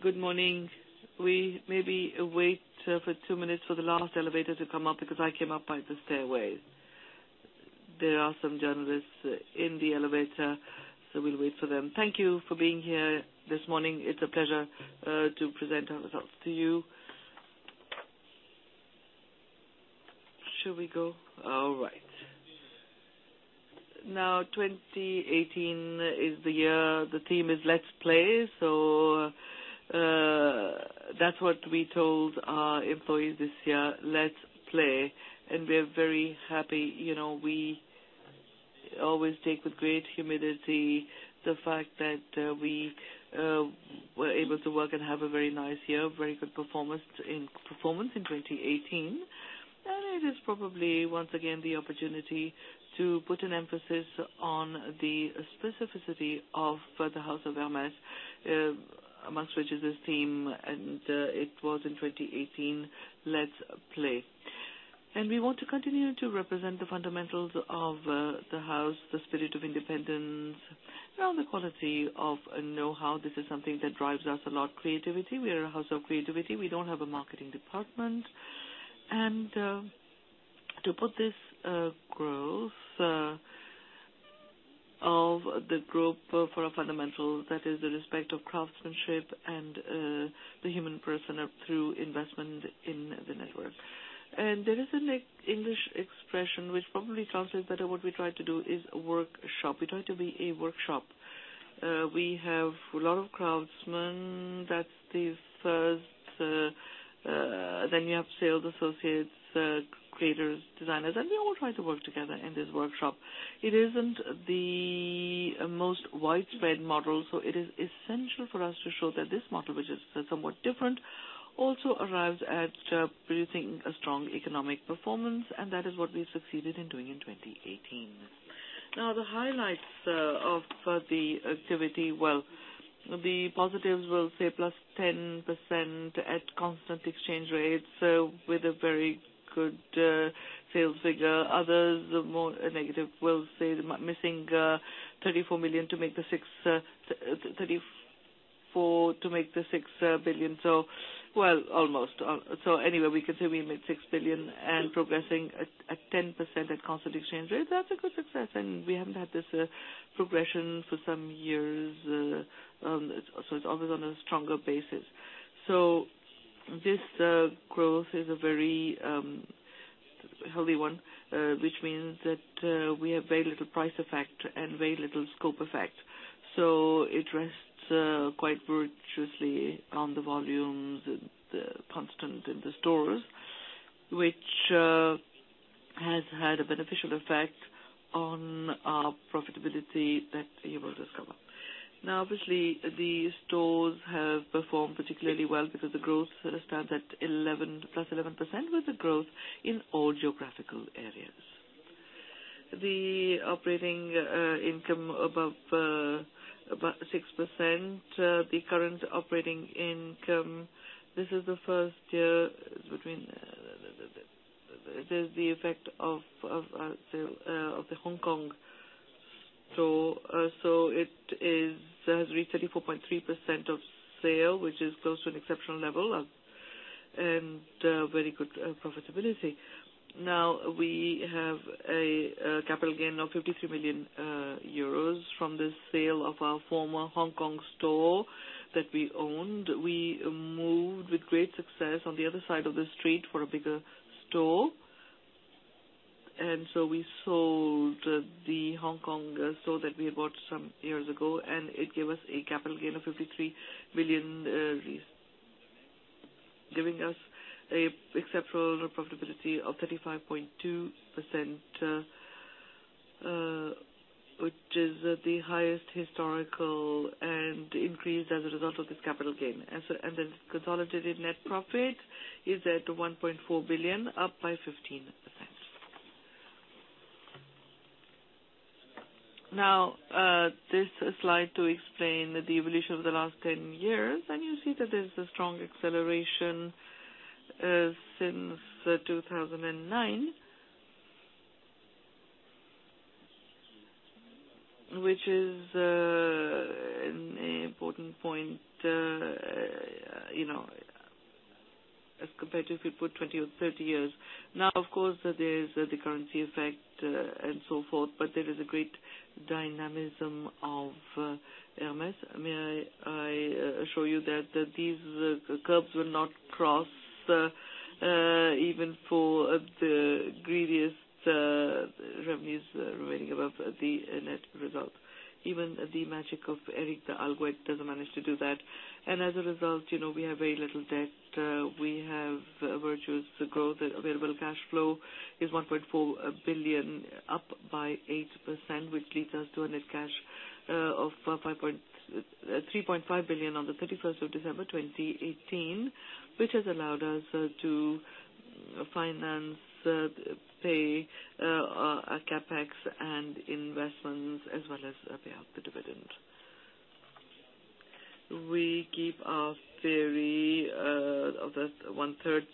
Good morning. We maybe wait for 2 minutes for the last elevator to come up because I came up by the stairway. There are some journalists in the elevator, so we'll wait for them. Thank you for being here this morning. It's a pleasure to present our results to you. Should we go? All right. 2018 is the year. The theme is Let's Play. That's what we told our employees this year, Let's Play, and we're very happy. We always take with great humility the fact that we were able to work and have a very nice year, very good performance in 2018. It is probably, once again, the opportunity to put an emphasis on the specificity of the house of Hermès, amongst which is this theme, and it was in 2018, Let's Play. We want to continue to represent the fundamentals of the house, the spirit of independence, and the quality of know-how. This is something that drives us a lot. Creativity. We are a house of creativity. We don't have a marketing department. To put this growth of the group for a fundamental, that is the respect of craftsmanship and, the human person through investment in the network. There is an English expression which probably translates better, what we try to do is workshop. We try to be a workshop. We have a lot of craftsmen. That's the first, you have sales associates, creators, designers, and we all try to work together in this workshop. It isn't the most widespread model, it is essential for us to show that this model, which is somewhat different, also arrives at producing a strong economic performance, that is what we succeeded in doing in 2018. The highlights of the activity. The positives, we'll say plus 10% at constant exchange rates, with a very good sales figure. Others, more negative, will say missing 34 million to make the 6 billion. Almost. We can say we made EUR 6 billion and progressing at 10% at constant exchange rate. That's a good success, we haven't had this progression for some years, it's always on a stronger basis. This growth is a very healthy one, which means that we have very little price effect and very little scope effect. It rests quite virtuously on the volumes, the constant in the stores, which has had a beneficial effect on our profitability that you will discover. Obviously, the stores have performed particularly well because the growth stands at plus 11%, with a growth in all geographical areas. The operating income, above about 6%. The current operating income, this is the first year the effect of the Hong Kong store. It has reached 34.3% of sale, which is close to an exceptional level and very good profitability. We have a capital gain of 53 million euros from the sale of our former Hong Kong store that we owned. We moved with great success on the other side of the street for a bigger store. We sold the Hong Kong store that we bought some years ago, and it gave us a capital gain of 53 million, giving us a exceptional profitability of 35.2%, which is the highest historical, and increased as a result of this capital gain. The consolidated net profit is at 1.4 billion, up by 15%. This slide to explain the evolution of the last 10 years, and you see that there's a strong acceleration since 2009, which is an important point as compared to if we put 20 or 30 years. Of course, there is the currency effect, and so forth, but there is a great dynamism of Hermès. I assure you that these curves were not crossed, even for the greediest revenues remaining above the net result. Even the magic of Éric du Halgouët doesn't manage to do that. As a result, we have very little debt. We have virtuous growth. Available cash flow is 1.4 billion, up by 8%, which leads us to a net cash of 3.5 billion on the 31st of December 2018, which has allowed us to finance, pay CapEx and investments, as well as pay out the dividend. Of that one-third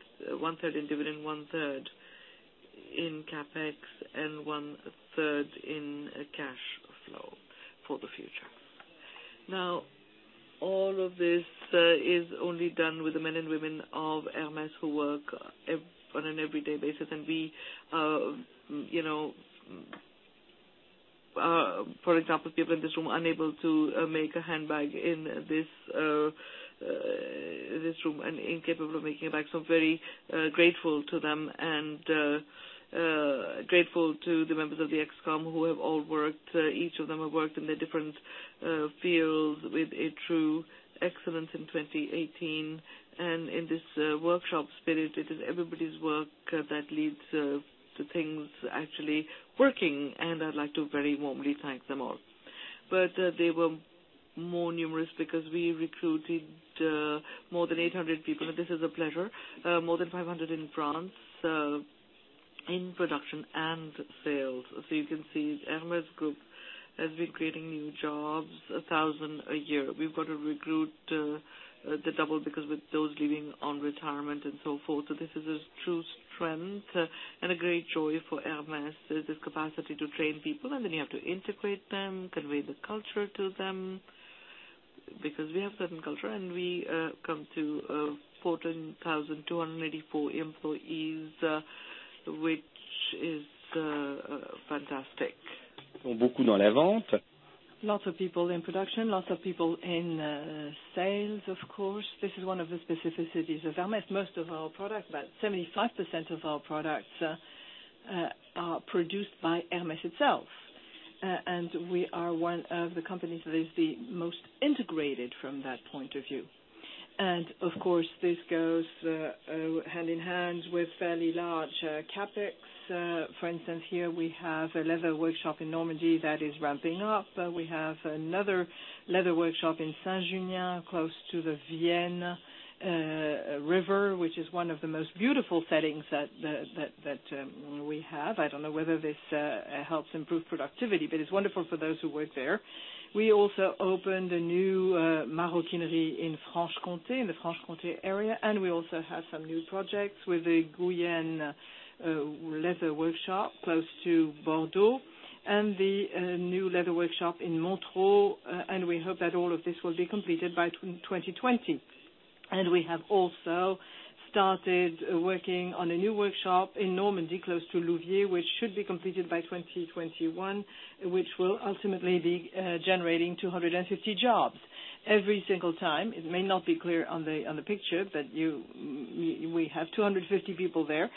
in dividend, one-third in CapEx, and one-third in cash flow for the future. All of this is only done with the men and women of Hermès who work on an everyday basis. For example, people in this room unable to make a handbag in this room and incapable of making a bag. Very grateful to them and grateful to the members of the ExCo who have all worked, each of them have worked in the different fields with a true excellence in 2018. In this workshop spirit, it is everybody's work that leads to things actually working, and I'd like to very warmly thank them all. They were more numerous because we recruited more than 800 people, and this is a pleasure, more than 500 in France, in production and sales. You can see Hermès Group has been creating new jobs, 1,000 a year. We've got to recruit the double because with those leaving on retirement and so forth, this is a true strength and a great joy for Hermès, this capacity to train people, and then you have to integrate them, convey the culture to them. We have certain culture, and we come to 14,284 employees, which is fantastic. Lots of people in production, lots of people in sales, of course. This is one of the specificities of Hermès. Most of our products, about 75% of our products, are produced by Hermès itself. We are one of the companies that is the most integrated from that point of view. Of course, this goes hand in hand with fairly large CapEx. For instance, here we have a leather workshop in Normandy that is ramping up. We have another leather workshop in Saint-Junien, close to the Vienne River, which is one of the most beautiful settings that we have. I don't know whether this helps improve productivity, but it's wonderful for those who work there. We also opened a new maroquinerie in Franche-Comté, in the Franche-Comté area. We also have some new projects with the Guyenne leather workshop close to Bordeaux, the new leather workshop in Montereau, and we hope that all of this will be completed by 2020. We have also started working on a new workshop in Normandy, close to Louviers, which should be completed by 2021, which will ultimately be generating 250 jobs. Every single time, it may not be clear on the picture, but we have 250 people there.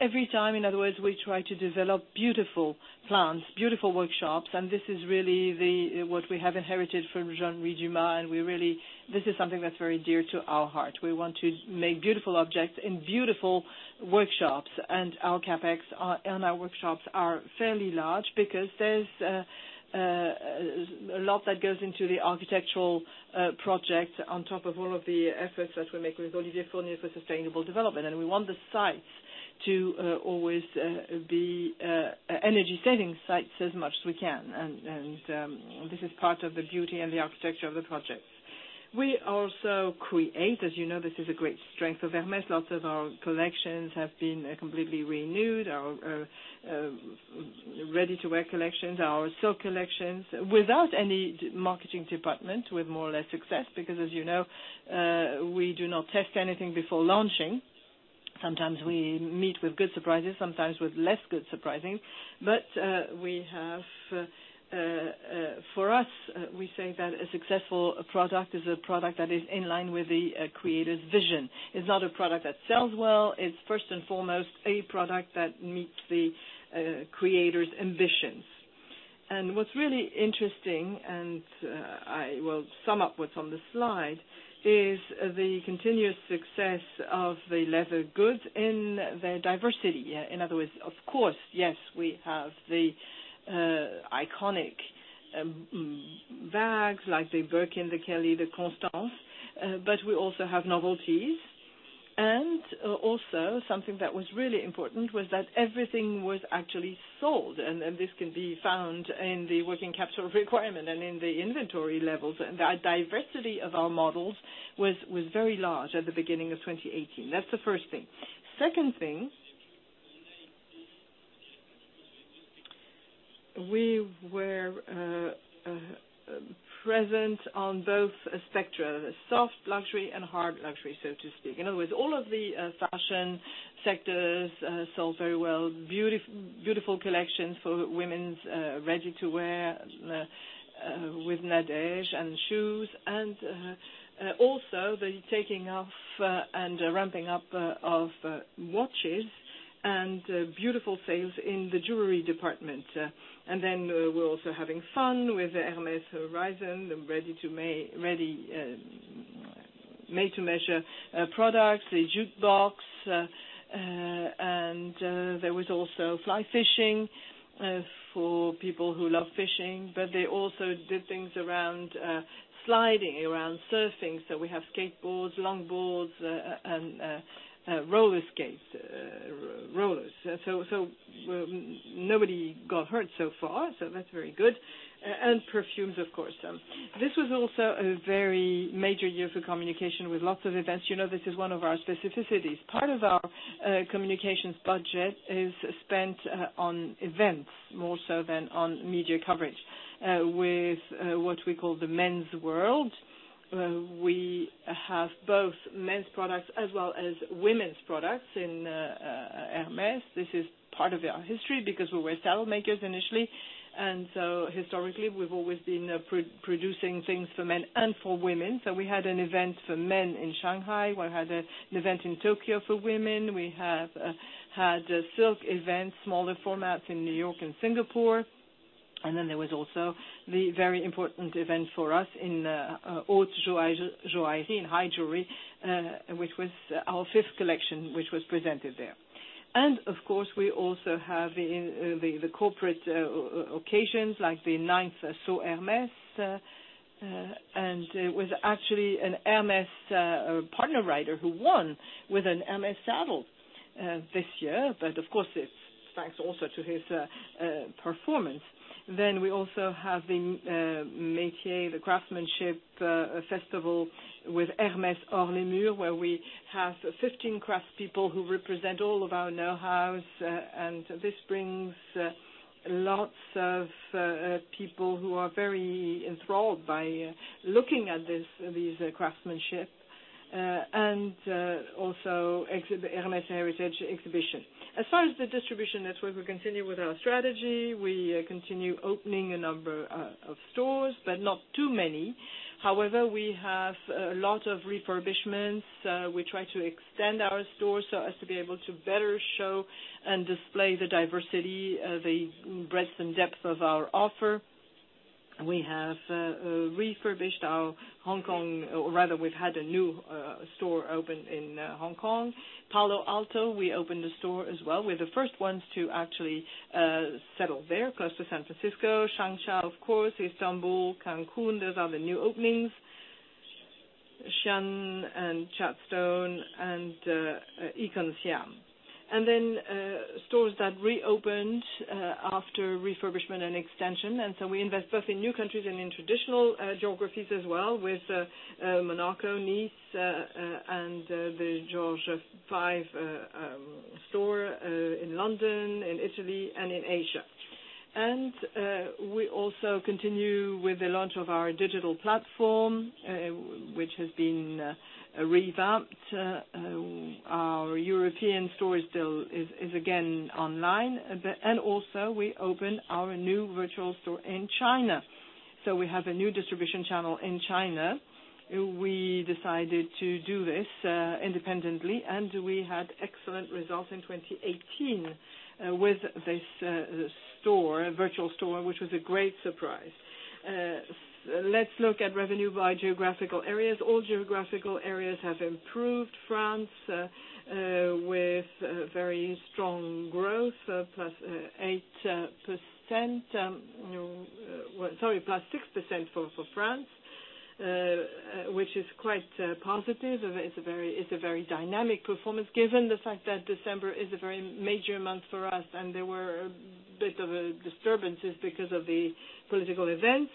Every time, in other words, we try to develop beautiful plants, beautiful workshops, and this is really what we have inherited from Jean-Louis Dumas, and this is something that's very dear to our heart. We want to make beautiful objects in beautiful workshops. Our CapEx and our workshops are fairly large because there's a lot that goes into the architectural project on top of all of the efforts that we make with Olivier Cornu for sustainable development. We want the sites to always be energy-saving sites as much as we can. This is part of the beauty and the architecture of the projects. We also create, as you know, this is a great strength of Hermès. Lots of our collections have been completely renewed, our ready-to-wear collections, our silk collections, without any marketing department, with more or less success, because as you know, we do not test anything before launching. Sometimes we meet with good surprises, sometimes with less good surprising. For us, we say that a successful product is a product that is in line with the creator's vision. It's not a product that sells well, it's first and foremost a product that meets the creator's ambitions. What's really interesting, and I will sum up what's on the slide, is the continuous success of the leather goods and their diversity. In other words, of course, yes, we have the iconic bags like the Birkin, the Kelly, the Constance. We also have novelties. Also, something that was really important was that everything was actually sold, and this can be found in the working capital requirement and in the inventory levels. The diversity of our models was very large at the beginning of 2018. That's the first thing. Second thing, we were present on both spectra, soft luxury and hard luxury, so to speak. In other words, all of the fashion sectors sold very well. Beautiful collections for women's ready-to-wear with Nadège and shoes. Also the taking off and ramping up of watches, and beautiful sales in the jewelry department. We're also having fun with Hermès Horizon, the made-to-measure products, the jukebox. There was also fly fishing for people who love fishing. They also did things around sliding, around surfing, so we have skateboards, longboards, and roller skates. Nobody got hurt so far, that's very good. Perfumes, of course. This was also a very major year for communication with lots of events. This is one of our specificities. Part of our communications budget is spent on events, more so than on media coverage, with what we call the men's world. We have both men's products as well as women's products in Hermès. This is part of our history because we were saddle makers initially. Historically we've always been producing things for men and for women. We had an event for men in Shanghai. We had an event in Tokyo for women. We have had silk events, smaller formats in New York and Singapore. There was also the very important event for us in haute joaillerie, in high jewelry, which was our 5th collection, which was presented there. Of course, we also have the corporate occasions like the 9th Saut Hermès. It was actually an Hermès partner rider who won with an Hermès saddle this year, but of course, it's thanks also to his performance. We also have the Métiers, the Craftsmanship Festival with Hermès Hors les Murs, where we have 15 craft people who represent all of our knowhows. This brings lots of people who are very enthralled by looking at these craftsmanship. Also, Hermès Heritage Exhibition. As far as the distribution network, we continue with our strategy. We continue opening a number of stores, but not too many. However, we have a lot of refurbishments. We try to extend our stores so as to be able to better show and display the diversity, the breadth and depth of our offer. We have refurbished our Hong Kong, or rather, we've had a new store open in Hong Kong. Palo Alto, we opened a store as well. We're the 1st ones to actually settle there, close to San Francisco. Shanghai, of course, Istanbul, Cancun. Those are the new openings. Xi'an and Chadstone and Iconsiam. Stores that reopened after refurbishment and extension, we invest both in new countries and in traditional geographies as well, with Monaco, Nice, and the George V store in London, in Italy and in Asia. We also continue with the launch of our digital platform, which has been revamped. Our European store is again online. Also we opened our new virtual store in China. We have a new distribution channel in China. We decided to do this independently. We had excellent results in 2018 with this virtual store, which was a great surprise. Let's look at revenue by geographical areas. All geographical areas have improved. France with very strong growth, +6% for France, which is quite positive. It's a very dynamic performance given the fact that December is a very major month for us. There were a bit of disturbances because of the political events.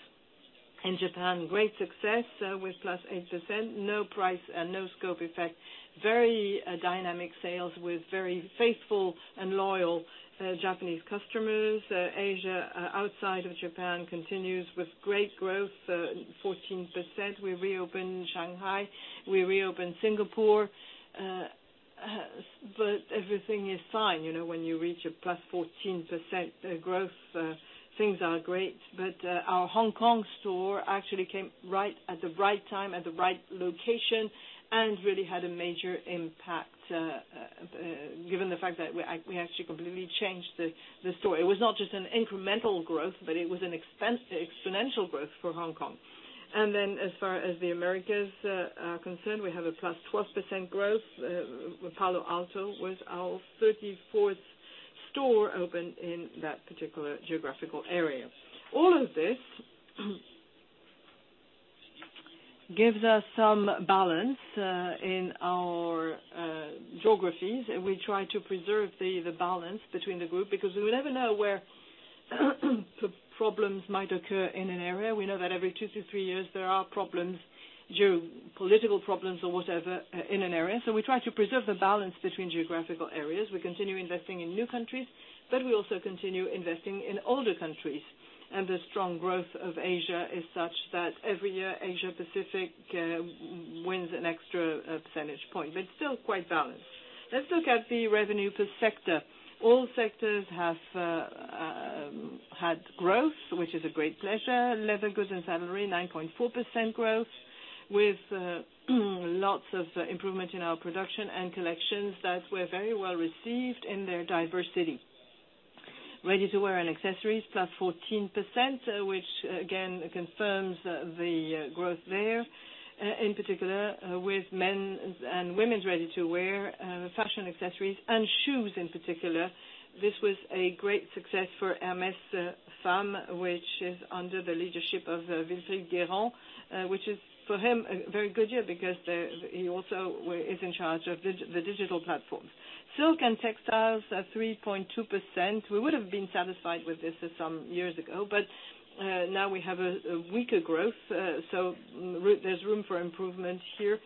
In Japan, great success with +8%, no price and no scope effect. Very dynamic sales with very faithful and loyal Japanese customers. Asia, outside of Japan, continues with great growth, 14%. We reopened Shanghai. We reopened Singapore. Everything is fine. When you reach a +14% growth, things are great. Our Hong Kong store actually came right at the right time, at the right location and really had a major impact, given the fact that we actually completely changed the store. It was not just an incremental growth, it was an exponential growth for Hong Kong. As far as the Americas are concerned, we have a +12% growth. Palo Alto was our 34th store opened in that particular geographical area. All of this gives us some balance in our geographies. We try to preserve the balance between the group because we will never know where problems might occur in an area. We know that every two to three years there are problems, geopolitical problems or whatever, in an area. We try to preserve the balance between geographical areas. We continue investing in new countries, but we also continue investing in older countries. The strong growth of Asia is such that every year Asia Pacific wins an extra percentage point, but still quite balanced. Let's look at the revenue per sector. All sectors have had growth, which is a great pleasure. Leather goods and Saddlery, 9.4% growth with lots of improvement in our production and collections that were very well received in their diversity. Ready-to-wear and Accessories, +14%, which again confirms the growth there, in particular with men's and women's ready-to-wear, fashion accessories and shoes in particular. This was a great success for Hermès Femme, which is under the leadership of Wilfried Guerrand, which is for him, a very good year because he also is in charge of the digital platforms. Silk and Textiles are 3.2%. We would've been satisfied with this some years ago, but now we have a weaker growth, so there's room for improvement here.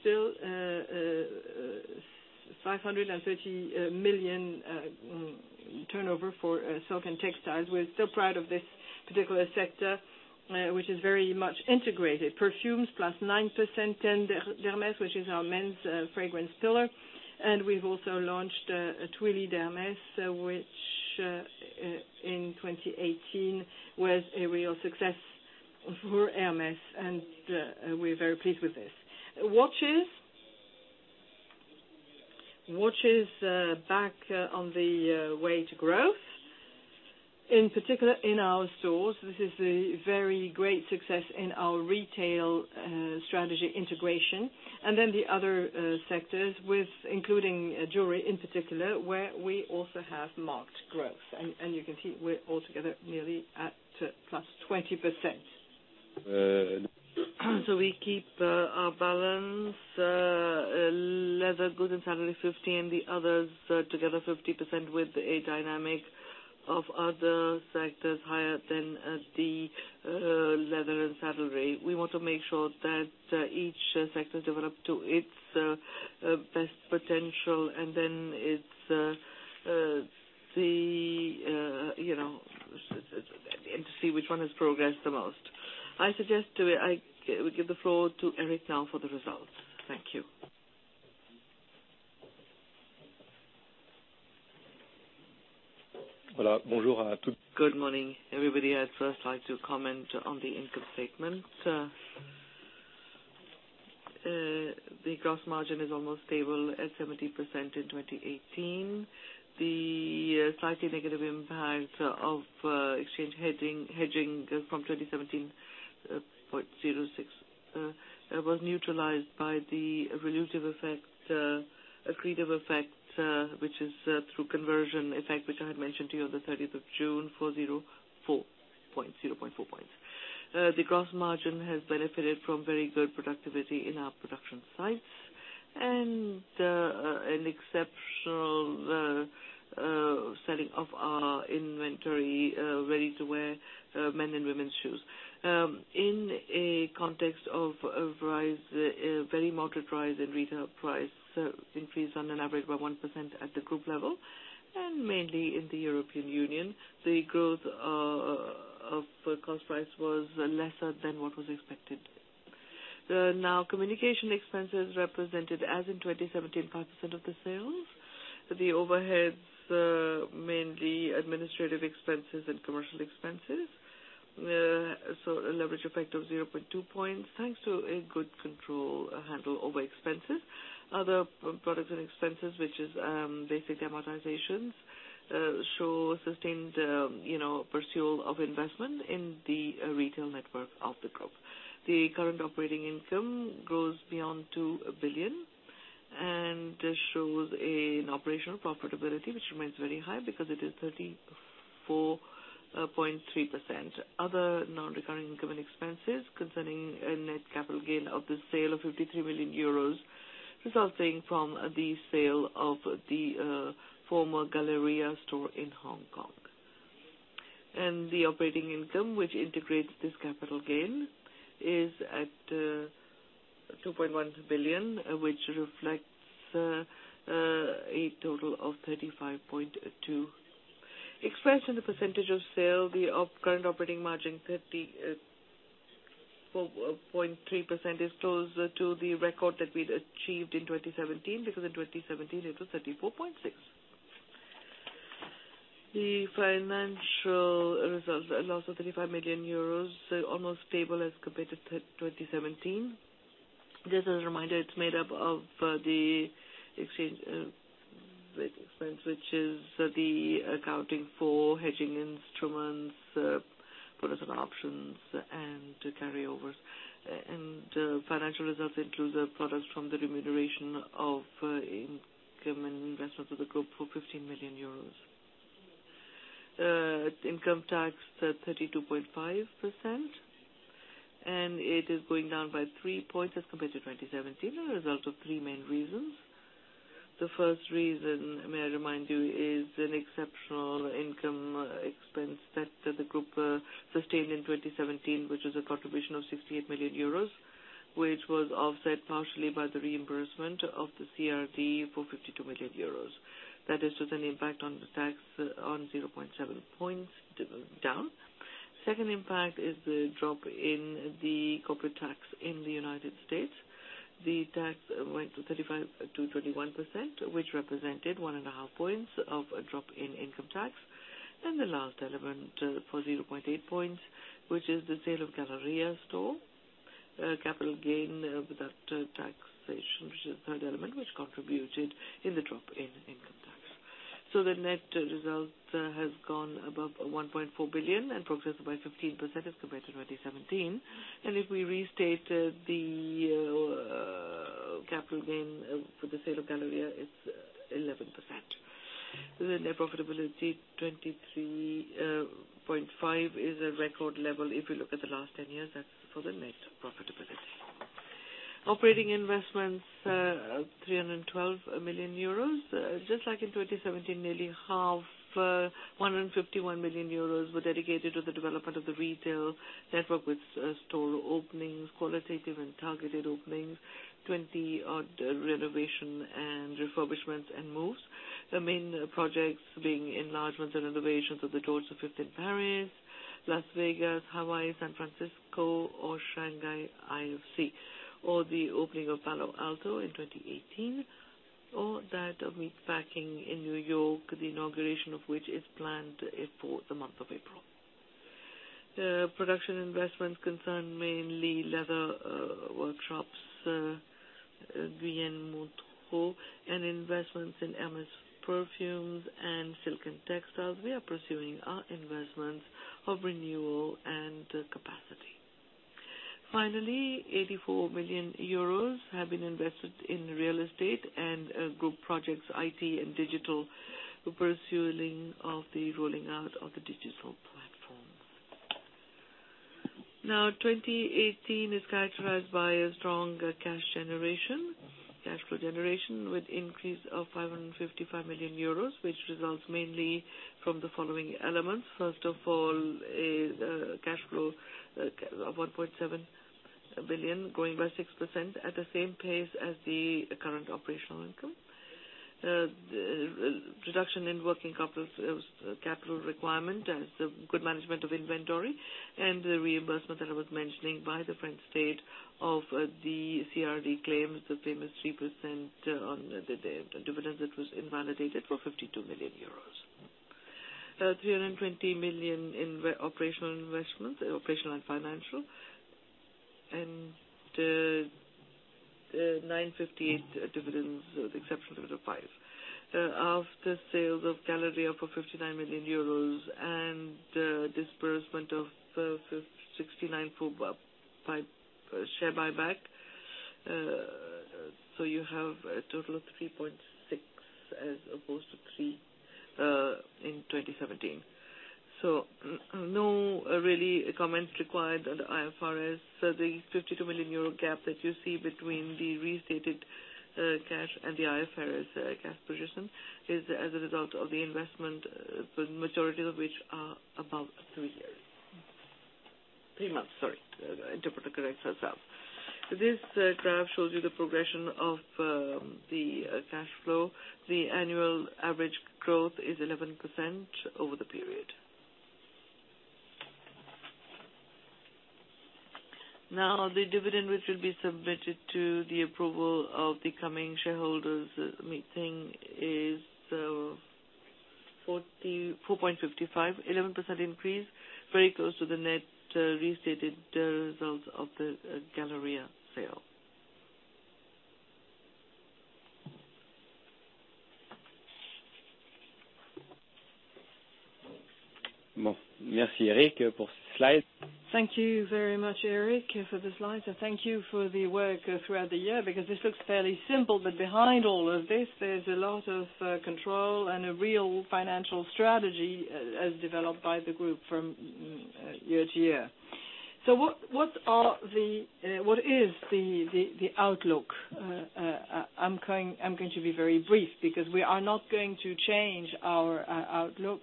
Still, 530 million turnover for Silk and Textiles. We're still proud of this particular sector, which is very much integrated. Perfumes, plus 9%, and D'Hermes, which is our men's fragrance pillar. We've also launched Twilly D'Hermès, which in 2018 was a real success for Hermès, and we are very pleased with this. Watches back on the way to growth, in particular in our stores. This is a very great success in our retail strategy integration. The other sectors, including jewelry in particular, where we also have marked growth. You can see we're altogether nearly at plus 20%. We keep our balance, Leather goods and Saddlery 50%, and the others together 50% with a dynamic of other sectors higher than the Leather and Saddlery. We want to make sure that each sector develop to its best potential, and to see which one has progressed the most. I suggest we give the floor to Éric now for the results. Thank you. Good morning, everybody. I'd first like to comment on the income statement. The gross margin is almost stable at 70% in 2018. The slightly negative impact of exchange hedging from 2017, 0.06, was neutralized by the accretive effect, which is through conversion effect, which I had mentioned to you on the 30th of June, 0.4 points. The gross margin has benefited from very good productivity in our production sites and an exceptional selling of our inventory Ready-to-wear men's and women's shoes. In a context of a very moderate rise in retail price, increase on an average by 1% at the group level, and mainly in the European Union, the growth of cost price was lesser than what was expected. Communication expenses represented as in 2017, 5% of the sales. The overheads, mainly administrative expenses and commercial expenses. A leverage effect of 0.2 points, thanks to a good control handle over expenses. Other products and expenses, which is basic amortizations, show sustained pursuit of investment in the retail network of the group. The current operating income grows beyond 2 billion and shows an operational profitability, which remains very high because it is 34.3%. Other non-recurring income and expenses concerning a net capital gain of the sale of 53 million euros resulting from the sale of the former The Galleria store in Hong Kong. The operating income, which integrates this capital gain, is at 2.1 billion, which reflects a total of 35.2. Expressed in the percentage of sale, the current operating margin, 34.3%, is close to the record that we achieved in 2017, because in 2017 it was 34.6%. The financial results, a loss of 35 million euros, almost stable as compared to 2017. Just as a reminder, it is made up of the exchange rate expense, which is the accounting for hedging instruments, products, and options and carryovers. Financial results include the products from the remuneration of income and investments of the group for 15 million. Income tax, 32.5%, it is going down by 3 points as compared to 2017, a result of 3 main reasons. The first reason, may I remind you, is an exceptional income expense that the group sustained in 2017, which was a contribution of 68 million euros, which was offset partially by the reimbursement of the CRD for 52 million euros. That has just an impact on the tax on 0.7 points down. Second impact is the drop in the corporate tax in the U.S. The tax went to 35% to 21%, which represented 1 and a half points of a drop in income tax. The last element for 0.8 points, which is the sale of The Galleria store, capital gain without taxation, which is the third element which contributed in the drop in income tax. The net result has gone above 1.4 billion and progressed by 15% as compared to 2017. If we restate the capital gain for the sale of The Galleria, it is 11%. The net profitability, 23.5%, is a record level if you look at the last 10 years, that is for the net profitability. Operating investments, 312 million euros. Just like in 2017, nearly half, 151 million euros, were dedicated to the development of the retail network with store openings, qualitative and targeted openings, 20-odd renovation and refurbishments, and moves. The main projects being enlargements and renovations of the George V in Paris, Las Vegas, Hawaii, San Francisco, or Shanghai IFC, or the opening of Palo Alto in 2018, or that of Meatpacking in New York, the inauguration of which is planned for the month of April. Production investments concern mainly leather workshops, Guyenne, Montereau, and investments in Hermès perfumes and silk and textiles. We are pursuing our investments of renewal and capacity. Finally, 84 million euros have been invested in real estate and group projects, IT and digital, the pursuing of the rolling out of the digital platforms. 2018 is characterized by a strong cash generation, cash flow generation with increase of 555 million euros, which results mainly from the following elements. First of all is cash flow of 1.7 billion, growing by 6% at the same pace as the current operational income. Reduction in working capital requirement as a good management of inventory, and the reimbursement that I was mentioning by the French state of the CRD claims, the famous 3% on the dividends that was invalidated for 52 million euros. 320 million in operational investments, operational and financial. The 958 dividends, with exception dividend of 5. After sales of Galleria for 59 million euros and disbursement of 69 for share buyback. You have a total of 3.6 as opposed to 3 in 2017. No really comments required on the IFRS. The 52 million euro gap that you see between the restated cash and the IFRS cash position is as a result of the investment, the majority of which are above three years. This graph shows you the progression of the cash flow. The annual average growth is 11% over the period. The dividend, which will be submitted to the approval of the coming shareholders meeting, is 4.55, 11% increase, very close to the net restated results of the Galleria sale. Thank you very much, Éric, for the slides. Thank you for the work throughout the year, because this looks fairly simple, but behind all of this, there's a lot of control and a real financial strategy as developed by the group from year to year. What is the outlook? I am going to be very brief because we are not going to change our outlook.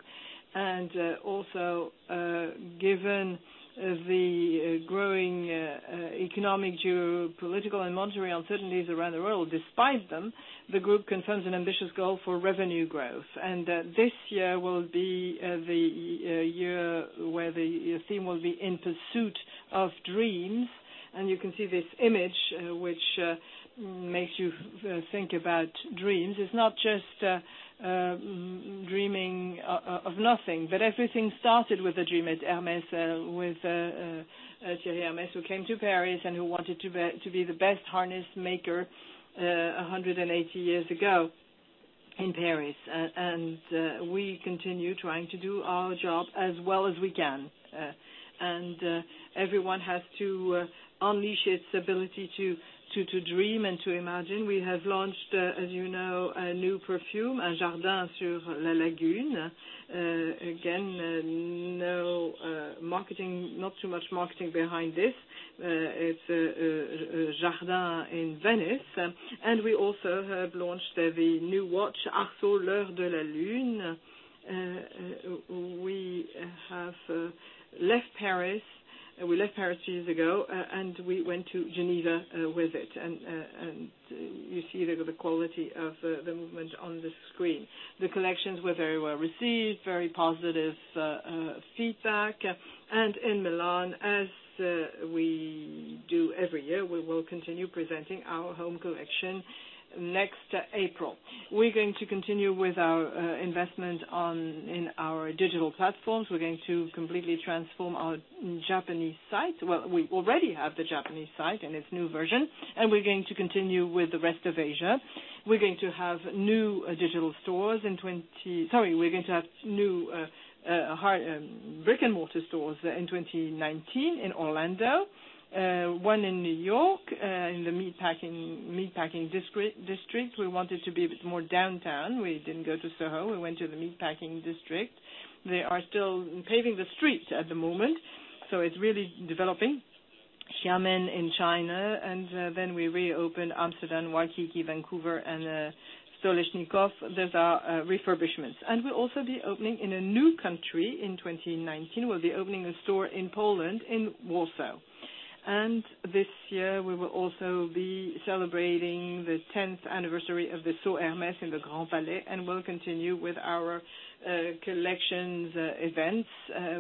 Given the growing economic, geopolitical, and monetary uncertainties around the world, despite them, the group confirms an ambitious goal for revenue growth. This year will be the year where the theme will be "In Pursuit of Dreams." You can see this image, which makes you think about dreams. It is not just dreaming of nothing. Everything started with a dream at Hermès, with Thierry Hermès, who came to Paris and who wanted to be the best harness maker 180 years ago in Paris. We continue trying to do our job as well as we can. Everyone has to unleash its ability to dream and to imagine. We have launched, as you know, a new perfume, Jardin sur la Lagune. Again, not too much marketing behind this. It is a jardin in Venice. We also have launched the new watch, Arceau L'heure de la lune. We left Paris two years ago, and we went to Geneva with it, and you see the quality of the movement on the screen. The collections were very well received, very positive feedback. In Milan, as we do every year, we will continue presenting our home collection next April. We're going to continue with our investment in our digital platforms. We're going to completely transform our Japanese site. Well, we already have the Japanese site in its new version. We're going to continue with the rest of Asia. We're going to have new brick-and-mortar stores in 2019 in Orlando. One in New York, in the Meatpacking District. We wanted to be a bit more downtown. We didn't go to Soho, we went to the Meatpacking District. They are still paving the streets at the moment, so it's really developing. Xiamen in China. Then we reopened Amsterdam, Waikiki, Vancouver, and Stoleshnikov. Those are refurbishments. We'll also be opening in a new country in 2019. We'll be opening a store in Poland, in Warsaw. This year, we will also be celebrating the 10th anniversary of the Saut Hermès in the Grand Palais, and we'll continue with our collections events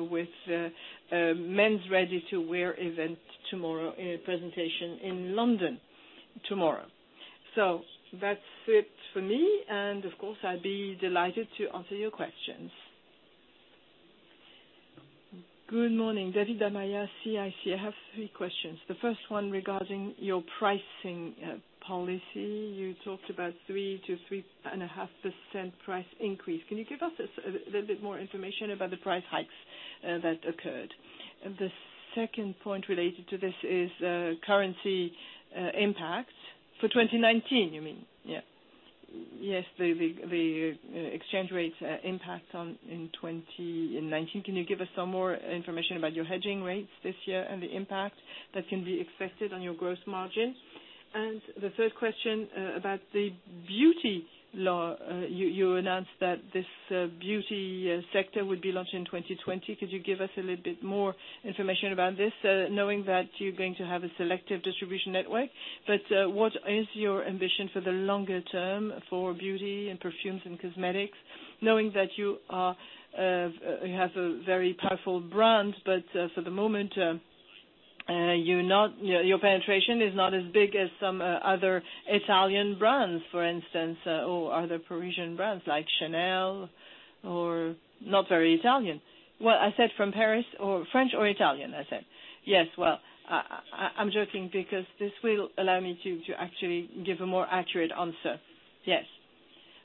with men's ready-to-wear event presentation in London tomorrow. That's it for me, and of course, I'd be delighted to answer your questions. Good morning. David da Maia, CIC. I have three questions. The first one regarding your pricing policy. You talked about 3%-3.5% price increase. Can you give us a little bit more information about the price hikes that occurred? The second point related to this is currency impacts. For 2019, you mean? Yes. The exchange rates impact in 2019. Can you give us some more information about your hedging rates this year and the impact that can be expected on your gross margin? The third question about the beauty line. You announced that this beauty sector would be launched in 2020. Could you give us a little bit more information about this, knowing that you're going to have a selective distribution network? What is your ambition for the longer term for beauty and perfumes and cosmetics, knowing that you have a very powerful brand, but for the moment, your penetration is not as big as some other Italian brands, for instance, or other Parisian brands like Chanel, or Not very Italian. Well, I said from Paris or French or Italian, I said. Yes, well, I'm joking because this will allow me to actually give a more accurate answer. Yes.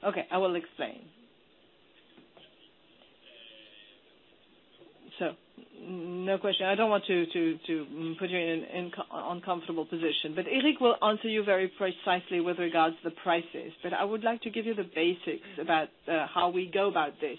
Okay, I will explain. No question. I don't want to put you in an uncomfortable position, but Éric will answer you very precisely with regards to the prices. I would like to give you the basics about how we go about this,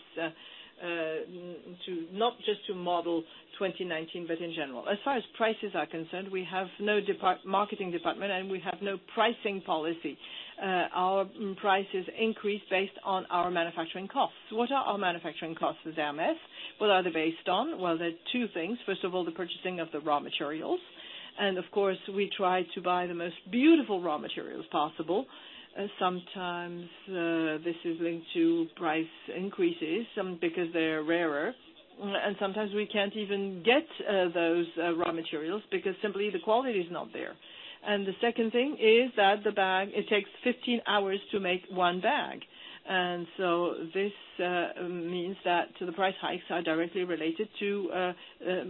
not just to model 2019, but in general. As far as prices are concerned, we have no marketing department, and we have no pricing policy. Our prices increase based on our manufacturing costs. What are our manufacturing costs as Hermès? What are they based on? Well, there are two things. First of all, the purchasing of the raw materials, and of course, we try to buy the most beautiful raw materials possible. Sometimes, this is linked to price increases, because they're rarer, and sometimes we can't even get those raw materials because simply the quality is not there. The second thing is that the bag, it takes 15 hours to make one bag. This means that the price hikes are directly related to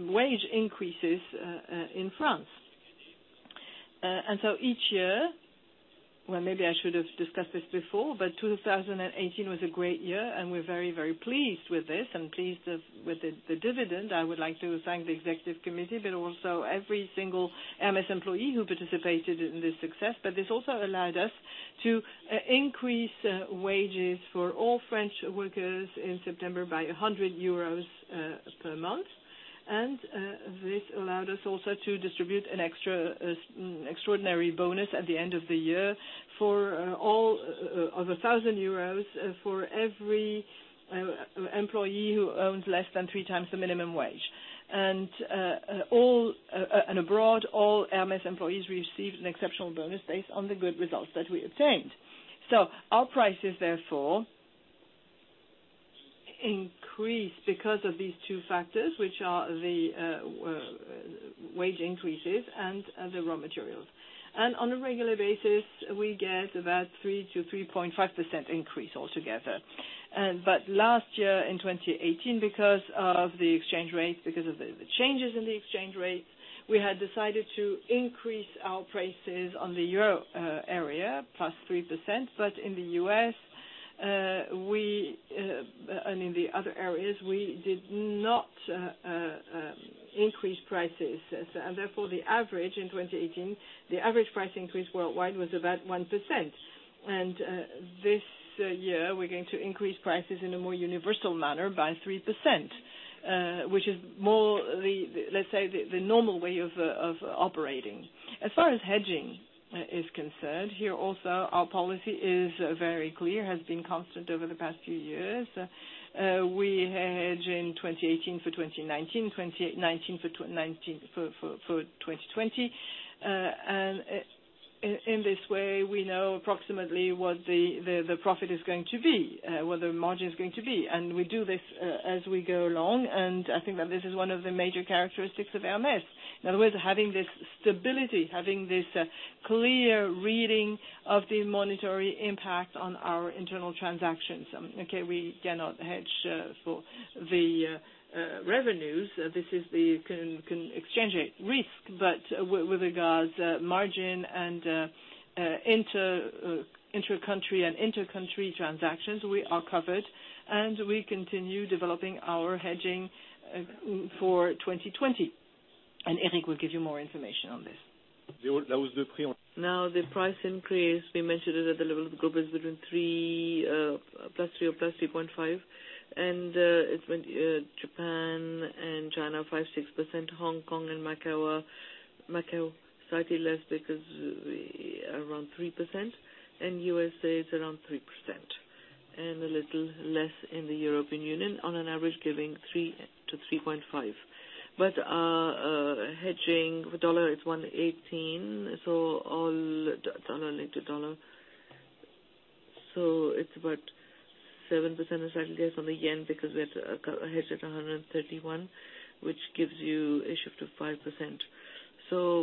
wage increases in France. Each year, maybe I should have discussed this before, 2018 was a great year. We are very pleased with this and pleased with the dividend. I would like to thank the Executive Committee, also every single Hermès employee who participated in this success. This also allowed us to increase wages for all French workers in September by 100 euros per month. This also allowed us to distribute an extraordinary bonus at the end of the year of 1,000 euros for every employee who owns less than 3 times the minimum wage. Abroad, all Hermès employees received an exceptional bonus based on the good results that we obtained. Our prices, therefore, increase because of these two factors, which are the wage increases and the raw materials. On a regular basis, we get about 3%-3.5% increase altogether. Last year, in 2018, because of the exchange rates, because of the changes in the exchange rate, we had decided to increase our prices on the Euro area +3%. In the U.S., and in the other areas, we did not increase prices. Therefore, the average in 2018, the average price increase worldwide was about 1%. This year, we are going to increase prices in a more universal manner by 3%, which is more, let's say, the normal way of operating. As far as hedging is concerned, here also, our policy is very clear, has been constant over the past few years. We hedge in 2018 for 2019 for 2020. In this way, we know approximately what the profit is going to be, what the margin is going to be. We do this as we go along. I think that this is one of the major characteristics of Hermès, in other words, having this stability, having this clear reading of the monetary impact on our internal transactions. We cannot hedge for the revenues. This is the exchange rate risk. With regards margin and intra-country and inter-country transactions, we are covered, and we continue developing our hedging for 2020. Éric will give you more information on this. The price increase, we mentioned it at the level of the group is within +3% or +3.5%. Japan and China, 5%-6%. Hong Kong and Macau, slightly less because around 3%. The U.S.A. is around 3%. A little less in the European Union on an average giving 3%-3.5%. Hedging, the USD is 118, so all USD linked to USD. It is about 7% or slightly less on the JPY because we had hedged at 131, which gives you a shift of 5%.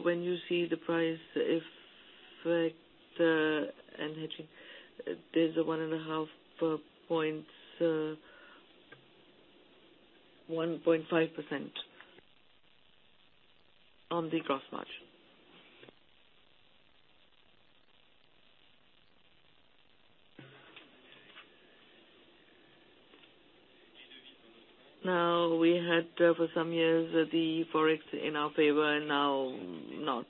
When you see the price effect and hedging, there is a 1.5 points, 1.5% on the gross margin. We had for some years the Forex in our favor, and now not.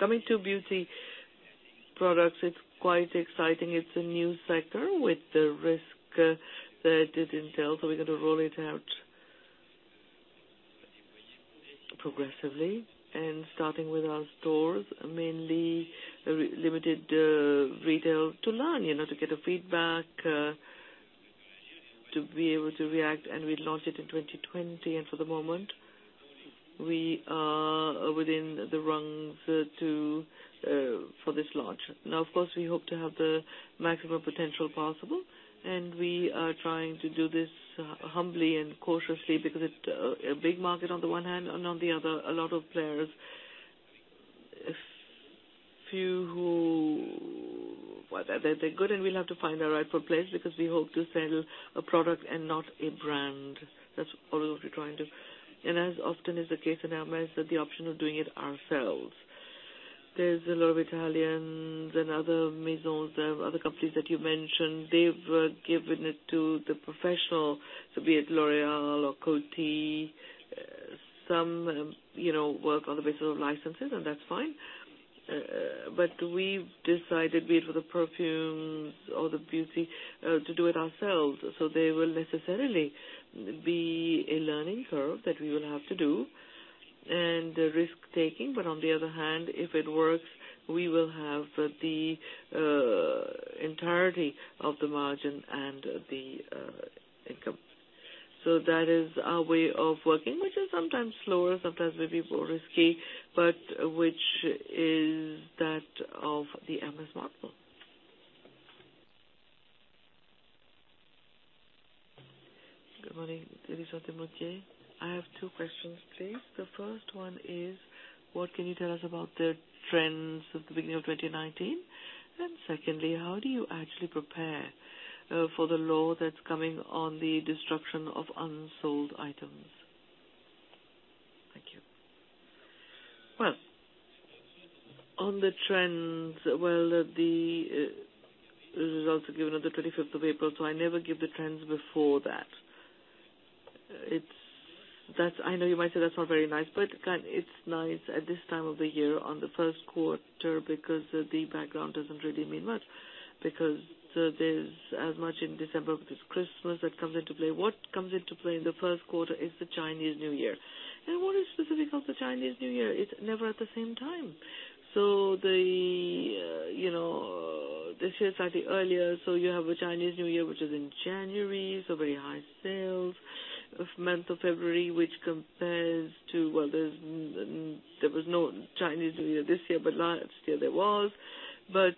Coming to beauty products, it is quite exciting. It's a new sector with the risk that it entails. We're going to roll it out progressively, starting with our stores, mainly limited retail to learn, to get feedback, to be able to react. We'll launch it in 2020. For the moment, we are within the rungs for this launch. Of course, we hope to have the maximum potential possible. We are trying to do this humbly and cautiously because it's a big market on the one hand, and on the other, a lot of players. A few who, they're good. We'll have to find the rightful place because we hope to sell a product and not a brand. That's all that we're trying to. As often is the case in Hermès, the option of doing it ourselves. There's a lot of Italians and other maisons, other companies that you mentioned, they've given it to the professional, be it L'Oréal or Coty. Some work on the basis of licenses. That's fine. We've decided, be it for the perfumes or the beauty, to do it ourselves. There will necessarily be a learning curve that we will have to do and risk-taking. On the other hand, if it works, we will have the entirety of the margin and the income. That is our way of working, which is sometimes slower, sometimes maybe more risky, but which is that of the Hermès model. Good morning. Elisa de Moutier. I have two questions, please. The first one is, what can you tell us about the trends at the beginning of 2019? Secondly, how do you actually prepare for the law that's coming on the destruction of unsold items? Thank you. On the trends, the results are given on the 25th of April. I never give the trends before that. I know you might say that's not very nice, but it's nice at this time of the year on the first quarter because the background doesn't really mean much. There's as much in December because Christmas comes into play. What comes into play in the first quarter is the Chinese New Year. What is specific of the Chinese New Year? It's never at the same time. This year is slightly earlier. You have a Chinese New Year, which is in January, very high sales. Of the month of February, which compares to, there was no Chinese New Year this year, but last year there was. There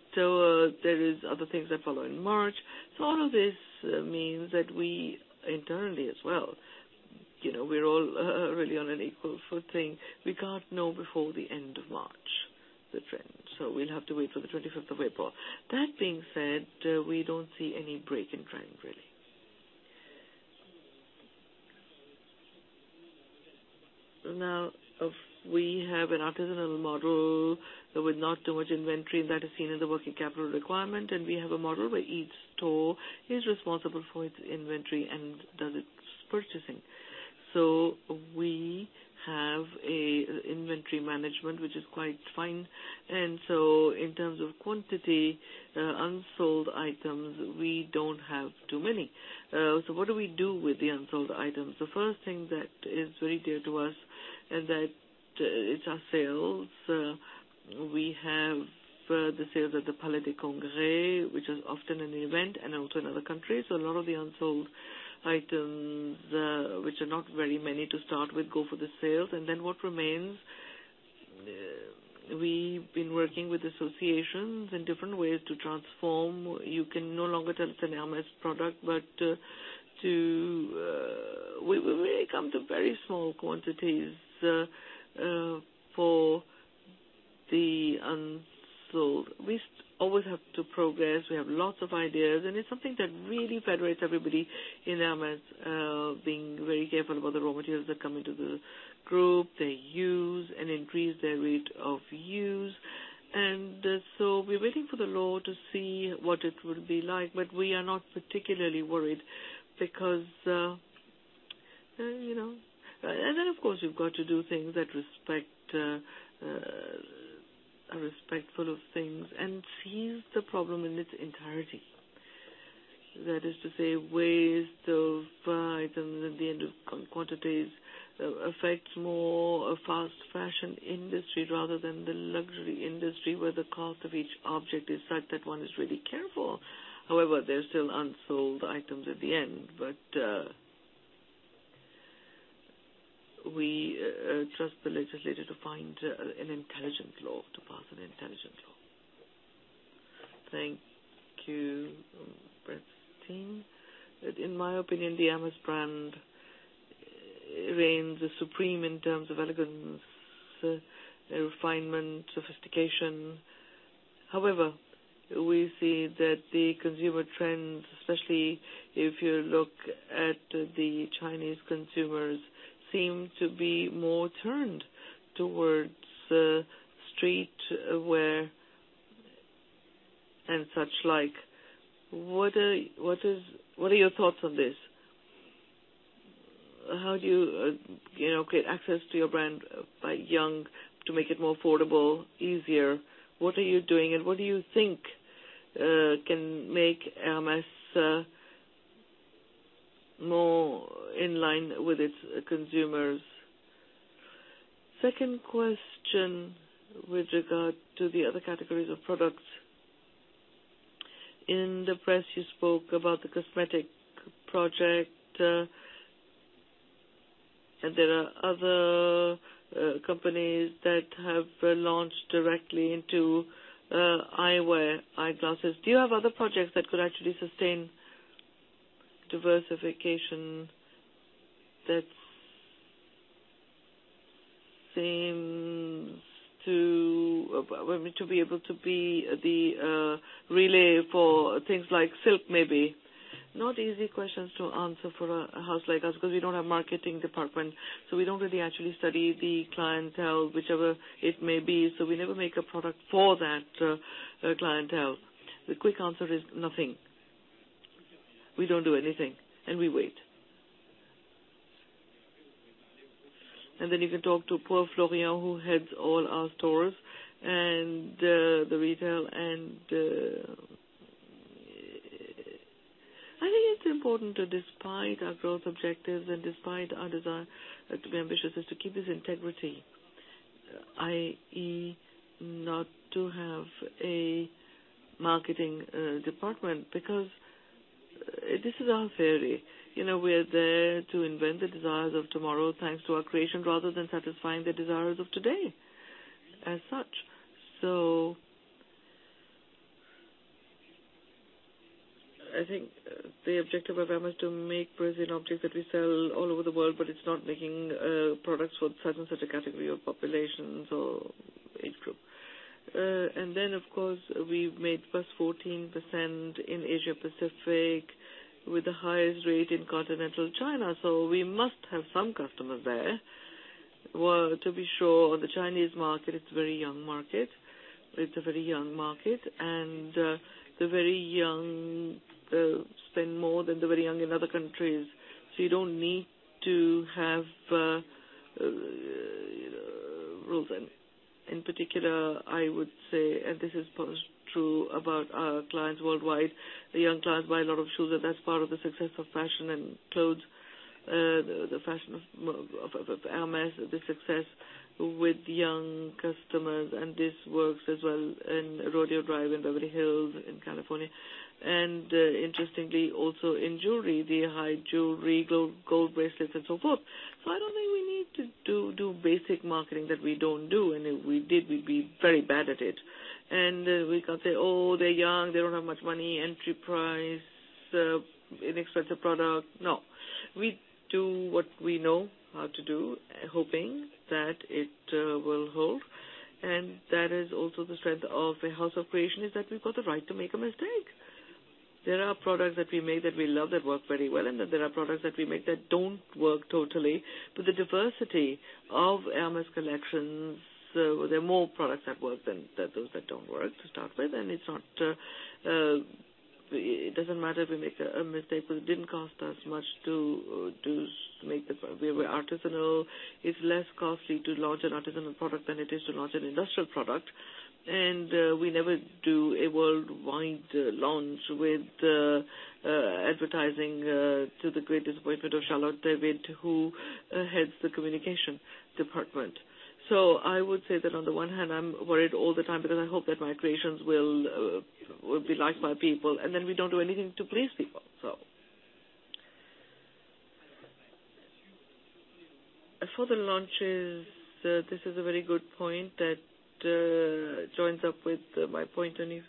is other things that follow in March. All of this means that we internally as well, we're all really on an equal footing. We can't know before the end of March, the trend. We'll have to wait for the 25th of April. That being said, we don't see any break in trend, really. We have an artisanal model with not too much inventory. That is seen in the working capital requirement. We have a model where each store is responsible for its inventory and does its purchasing. We have an inventory management, which is quite fine. In terms of quantity, unsold items, we don't have too many. What do we do with the unsold items? The first thing that is very dear to us is our sales. We have the sales at the Palais des Congrès, which is often an event, and also in other countries. A lot of the unsold items, which are not very many to start with, go for the sales. What remains, we've been working with associations in different ways to transform. You can no longer tell it's an Hermès product. We come to very small quantities for the unsold. We always have to progress. We have lots of ideas, it's something that really federates everybody in Hermès, being very careful about the raw materials that come into the group, their use and increase their rate of use. We're waiting for the law to see what it will be like, we are not particularly worried because, of course, you've got to do things that are respectful of things and sees the problem in its entirety. That is to say, waste of items at the end of quantities affects more a fast fashion industry rather than the luxury industry, where the cost of each object is such that one is really careful. However, there's still unsold items at the end. We trust the legislator to find an intelligent law, to pass an intelligent law. Thank you, Christine. In my opinion, the Hermès brand reigns supreme in terms of elegance, refinement, sophistication. However, we see that the consumer trends, especially if you look at the Chinese consumers, seem to be more turned towards streetwear and suchlike. What are your thoughts on this? How do you create access to your brand by young to make it more affordable, easier? What are you doing, what do you think can make Hermès more in line with its consumers? Second question with regard to the other categories of products. In the press, you spoke about the cosmetic project, there are other companies that have launched directly into eyewear, eyeglasses. Do you have other projects that could actually sustain diversification that seems to be able to be the relay for things like silk, maybe? Not easy questions to answer for a house like us because we don't have marketing department, we don't really actually study the clientele, whichever it may be. We never make a product for that clientele. The quick answer is nothing. We don't do anything, we wait. You can talk to poor Florian, who heads all our stores and the retail I think it's important to, despite our growth objectives and despite our desire to be ambitious, is to keep this integrity, i.e., not to have a marketing department, because this is our theory. We're there to invent the desires of tomorrow, thanks to our creation, rather than satisfying the desires of today as such. I think the objective of Hermès is to make beautiful objects that we sell all over the world, it's not making products for such and such a category of populations or age group. Of course, we've made +14% in Asia-Pacific, with the highest rate in continental China. We must have some customers there. Well, to be sure, the Chinese market is a very young market. It's a very young market, the very young spend more than the very young in other countries. You don't need to have rules. In particular, I would say, this is true about our clients worldwide. The young clients buy a lot of shoes, that's part of the success of fashion and clothes, the fashion of Hermès, the success with young customers. This works as well in Rodeo Drive, in Beverly Hills, in California, and interestingly, also in jewelry, the high jewelry, gold bracelets, and so forth. I don't think we need to do basic marketing that we don't do, and if we did, we'd be very bad at it. We can't say, "Oh, they're young, they don't have much money. Entry price, inexpensive product." No, we do what we know how to do, hoping that it will hold. That is also the strength of a house of creation, is that we've got the right to make a mistake. There are products that we make that we love, that work very well, there are products that we make that don't work totally. The diversity of Hermès collections, there are more products that work than those that don't work to start with. It doesn't matter if we make a mistake, but it didn't cost us much to make. We're artisanal. It's less costly to launch an artisanal product than it is to launch an industrial product. We never do a worldwide launch with advertising to the greatest boyfriend of Charlotte David, who heads the communication department. I would say that on the one hand, I'm worried all the time because I hope that my creations will be liked by people, we don't do anything to please people. For the launches, this is a very good point that joins up with my point earlier.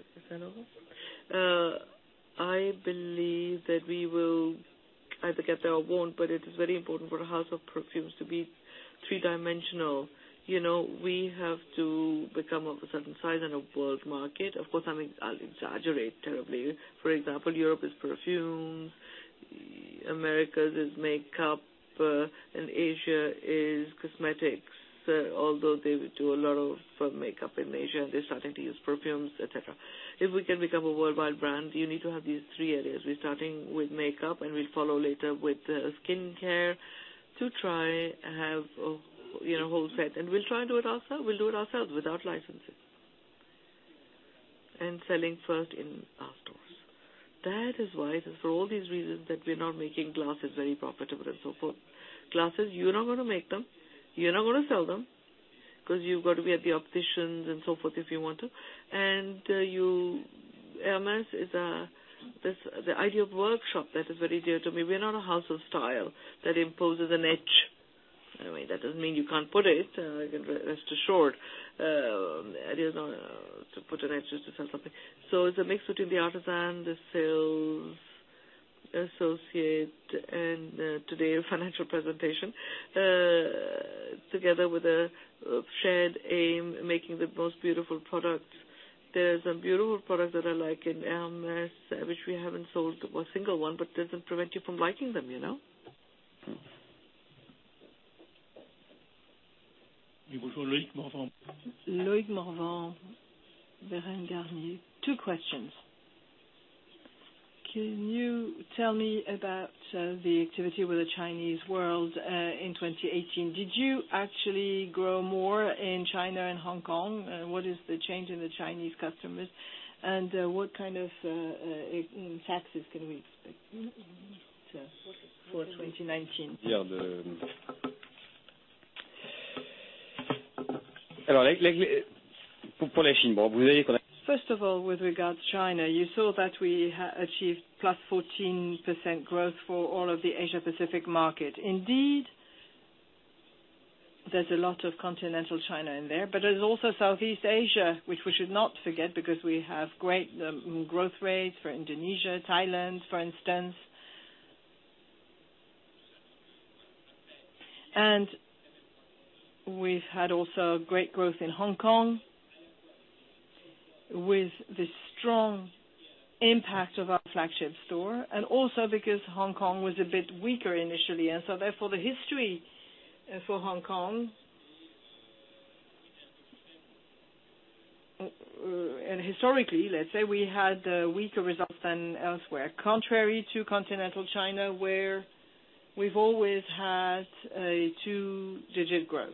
I believe that we will either get there or won't, but it is very important for a house of perfumes to be three-dimensional. We have to become of a certain size in a world market. Of course, I'll exaggerate terribly. For example, Europe is perfumes. America's is makeup, Asia is cosmetics. Although they do a lot of makeup in Asia, they're starting to use perfumes, et cetera. If we can become a worldwide brand, you need to have these three areas. We're starting with makeup, we'll follow later with skincare to try and have a whole set. We'll try and do it ourselves. We'll do it ourselves without licenses, selling first in our stores. That is why, for all these reasons, that we're not making glasses very profitable and so forth. Glasses, you're not going to make them, you're not going to sell them, because you've got to be at the opticians and so forth if you want to. Hermès is the idea of workshop that is very dear to me. We're not a house of style that imposes an edge, in a way. That doesn't mean you can't put it, rest assured. The idea is not to put an edge just to sell something. It's a mix between the artisan, the sales associate, and today, the financial presentation, together with a shared aim, making the most beautiful products. There's some beautiful products that I like in Hermès, which we haven't sold a single one. Doesn't prevent you from liking them. Loic Morvan. Loic Morvan, Juliette Garnier. Two questions. Can you tell me about the activity with the Chinese world in 2018? Did you actually grow more in China and Hong Kong? What is the change in the Chinese customers, and what kind of taxes can we expect for 2019? With regards China, you saw that we achieved +14% growth for all of the Asia-Pacific market. There's a lot of continental China in there. There's also Southeast Asia, which we should not forget, because we have great growth rates for Indonesia, Thailand, for instance. We've had also great growth in Hong Kong with the strong impact of our flagship store, because Hong Kong was a bit weaker initially. Therefore, the history for Hong Kong, historically, let's say, we had weaker results than elsewhere, contrary to continental China, where we've always had a two-digit growth.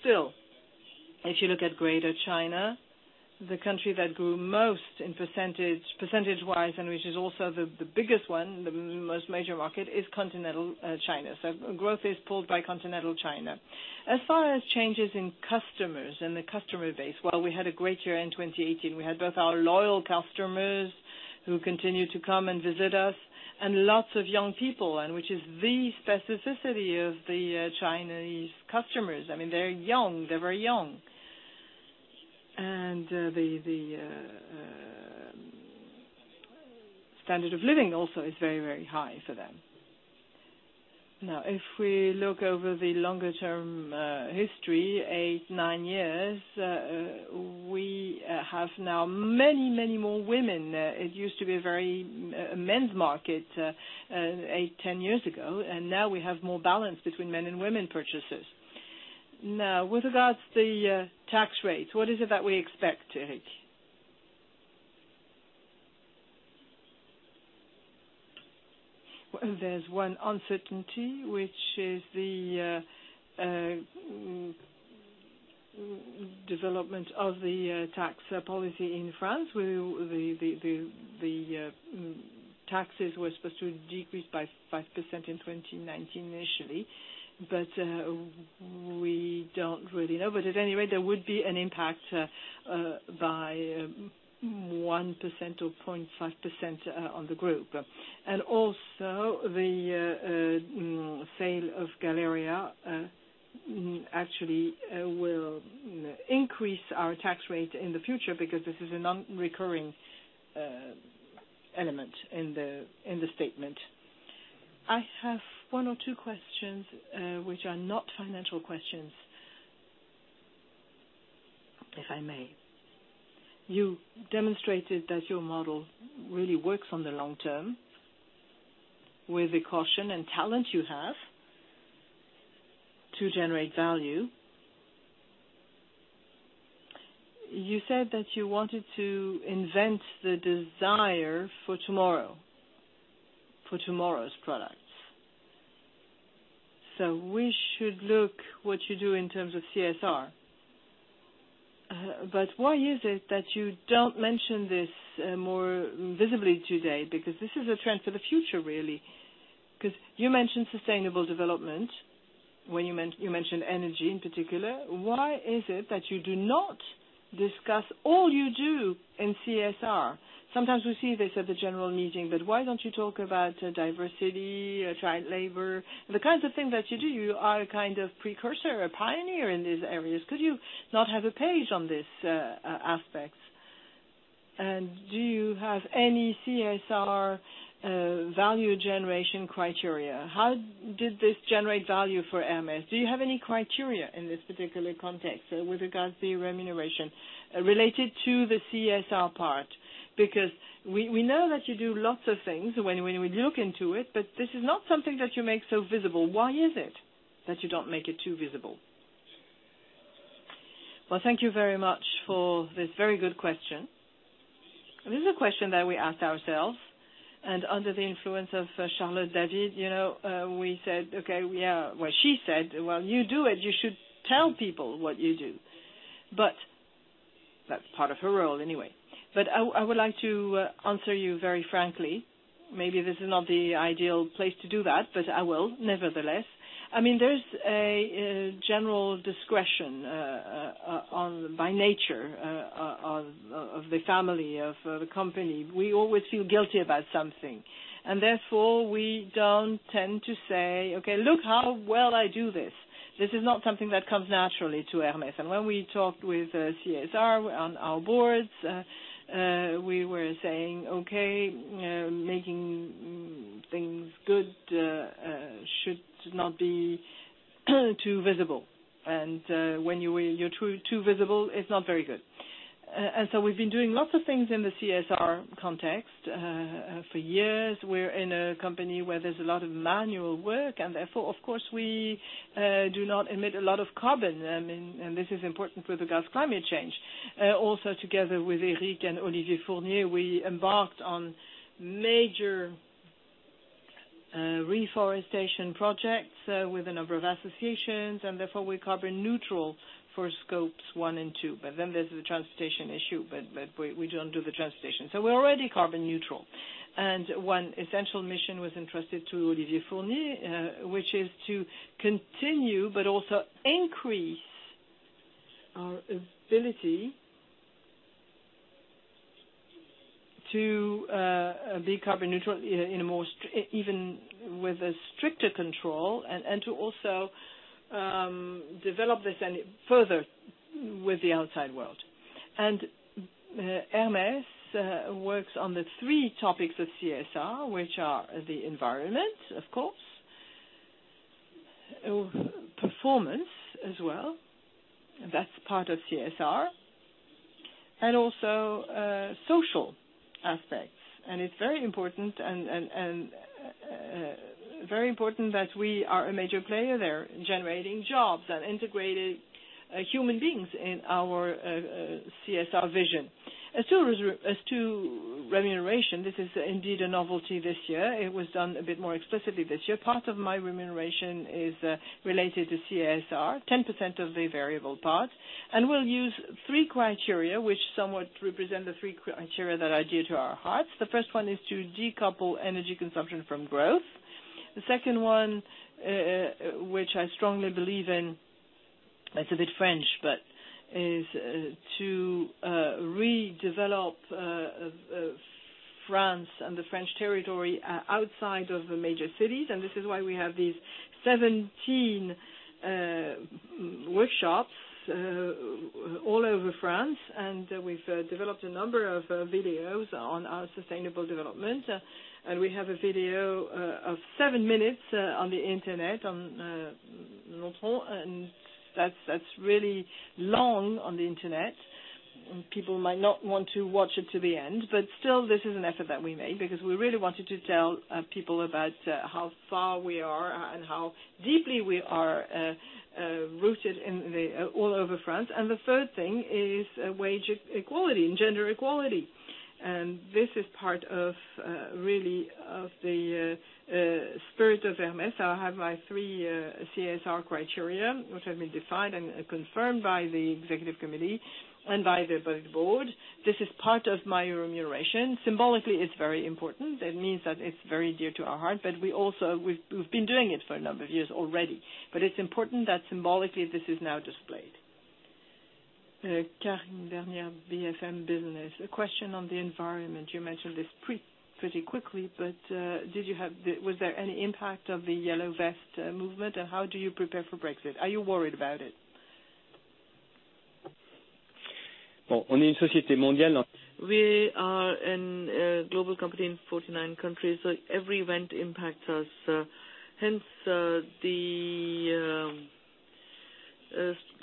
Still, if you look at greater China, the country that grew most percentage-wise and which is also the biggest one, the most major market, is continental China. Growth is pulled by continental China. As far as changes in customers and the customer base, while we had a great year in 2018, we had both our loyal customers who continued to come and visit us and lots of young people, which is the specificity of the Chinese customers. They're young. They're very young. The standard of living also is very, very high for them. If we look over the longer-term history, eight, nine years, we have now many, many more women. It used to be a very men's market 8, 10 years ago, and now we have more balance between men and women purchasers. With regards the tax rates, what is it that we expect, Éric? There is one uncertainty, which is the development of the tax policy in France, where the taxes were supposed to decrease by 5% in 2019 initially, but we don't really know. At any rate, there would be an impact by 1% or 0.5% on the group. Also, the sale of The Galleria actually will increase our tax rate in the future because this is a non-recurring element in the statement. I have one or two questions which are not financial questions, if I may. You demonstrated that your model really works on the long term with the caution and talent you have to generate value. You said that you wanted to invent the desire for tomorrow, for tomorrow's products. We should look what you do in terms of CSR. Why is it that you don't mention this more visibly today? Because this is a trend for the future, really. Because you mentioned sustainable development when you mentioned energy in particular. Why is it that you do not discuss all you do in CSR? Sometimes we see this at the general meeting, but why don't you talk about diversity, child labor, the kinds of things that you do? You are a kind of precursor, a pioneer in these areas. Could you not have a page on these aspects? Do you have any CSR value generation criteria? How did this generate value for Hermès? Do you have any criteria in this particular context with regards the remuneration related to the CSR part? Because we know that you do lots of things when we look into it, but this is not something that you make so visible. Why is it? That you don't make it too visible. Thank you very much for this very good question. This is a question that we asked ourselves, and under the influence of Charlotte David, we said, "Okay, yeah." She said, "You do it. You should tell people what you do." That's part of her role anyway. I would like to answer you very frankly. Maybe this is not the ideal place to do that, but I will nevertheless. There is a general discretion, by nature, of the family, of the company. We always feel guilty about something, and therefore, we don't tend to say, "Okay, look how well I do this." This is not something that comes naturally to Hermès. When we talked with CSR on our boards, we were saying, "Okay, making things good should not be too visible." When you're too visible, it's not very good. We've been doing lots of things in the CSR context. For years, we are in a company where there is a lot of manual work, and therefore, of course, we do not emit a lot of carbon. This is important with, of course, climate change. Together with Éric and Olivier Fournier, we embarked on major reforestation projects with a number of associations, and therefore we are carbon neutral for scopes 1 and 2. There is the transportation issue, but we do not do the transportation. We are already carbon neutral. One essential mission was entrusted to Olivier Fournier, which is to continue, but also increase our ability to be carbon neutral even with a stricter control, and to also develop this any further with the outside world. Hermès works on the three topics of CSR, which are the environment, of course, performance as well, that is part of CSR, and also social aspects. It is very important that we are a major player there in generating jobs and integrating human beings in our CSR vision. As to remuneration, this is indeed a novelty this year. It was done a bit more explicitly this year. Part of my remuneration is related to CSR, 10% of the variable part. We will use three criteria, which somewhat represent the three criteria that are dear to our hearts. The first one is to decouple energy consumption from growth. The second one, which I strongly believe in, it is a bit French, but is to redevelop France and the French territory outside of the major cities. This is why we have these 17 workshops all over France. We have developed a number of videos on our sustainable development. We have a video of seven minutes on the Internet, on, and that is really long on the Internet. People might not want to watch it to the end. Still, this is an effort that we made because we really wanted to tell people about how far we are and how deeply we are rooted all over France. The third thing is wage equality and gender equality. This is part of, really, of the spirit of Hermès. I have my three CSR criteria, which have been defined and confirmed by the Executive Committee and by the board. This is part of my remuneration. Symbolically, it is very important. It means that it is very dear to our heart, but we have been doing it for a number of years already. It is important that symbolically, this is now displayed. Karine Vergniol, BFM Business. A question on the environment. You mentioned this pretty quickly, but was there any impact of the Yellow Vest movement, and how do you prepare for Brexit? Are you worried about it? We are a global company in 49 countries. Every event impacts us, hence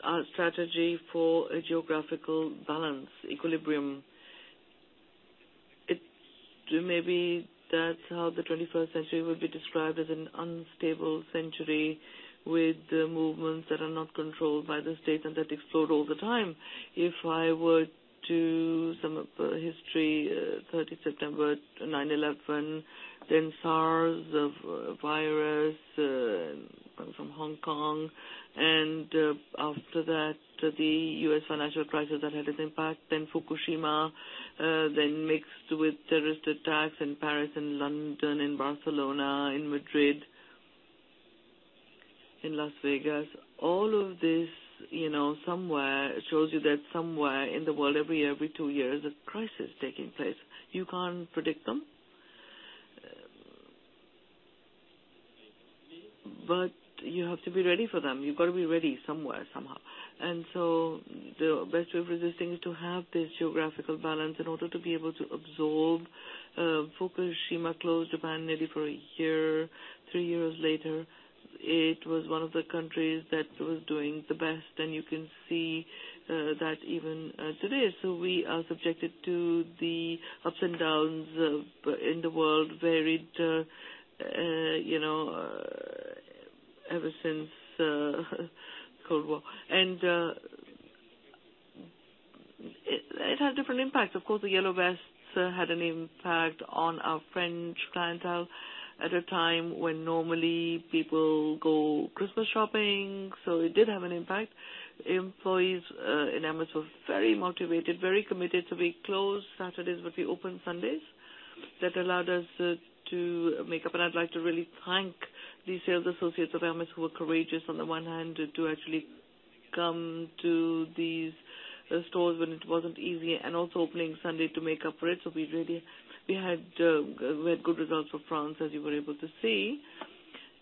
our strategy for a geographical balance, equilibrium. Maybe that is how the 21st century will be described, as an unstable century with movements that are not controlled by the state and that explode all the time. If I were to sum up history, 30th September 9/11, then SARS, the virus from Hong Kong, and after that, the U.S. financial crisis that had its impact, then Fukushima, then mixed with terrorist attacks in Paris and London, in Barcelona, in Madrid, in Las Vegas. All of this shows you that somewhere in the world every year, every two years, a crisis is taking place. You can't predict them. You have to be ready for them. You've got to be ready somewhere, somehow. The best way of resisting is to have this geographical balance in order to be able to absorb. Fukushima closed Japan maybe for a year. Three years later, it was one of the countries that was doing the best, and you can see that even today. We are subjected to the ups and downs in the world, varied Since Cold War. It had different impacts. Of course, the Yellow Vest had an impact on our French clientele at a time when normally people go Christmas shopping. It did have an impact. Employees in Hermès were very motivated, very committed. We closed Saturdays, but we opened Sundays. That allowed us to make up. I'd like to really thank the sales associates of Hermès, who were courageous on the one hand to actually come to these stores when it wasn't easy, and also opening Sunday to make up for it. We had good results for France, as you were able to see.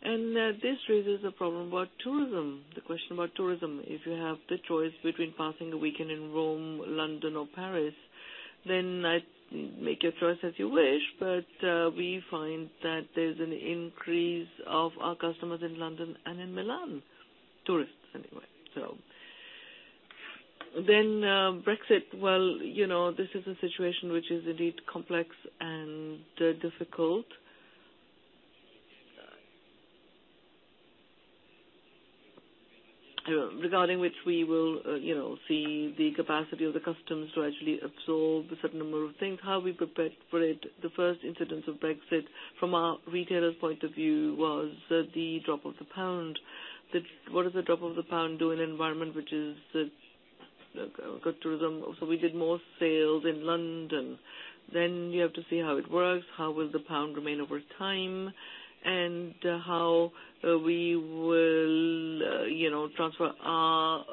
This raises a problem about tourism, the question about tourism. If you have the choice between passing a weekend in Rome, London or Paris, make your choice as you wish. We find that there's an increase of our customers in London and in Milan. Tourists, anyway. Brexit. This is a situation which is indeed complex and difficult. Regarding which we will see the capacity of the customs to actually absorb a certain number of things, how we prepare for it. The first incidence of Brexit from our retailer's point of view, was the drop of the pound. What does the drop of the pound do in an environment which is good tourism? We did more sales in London. You have to see how it works. How will the pound remain over time, and how we will transfer our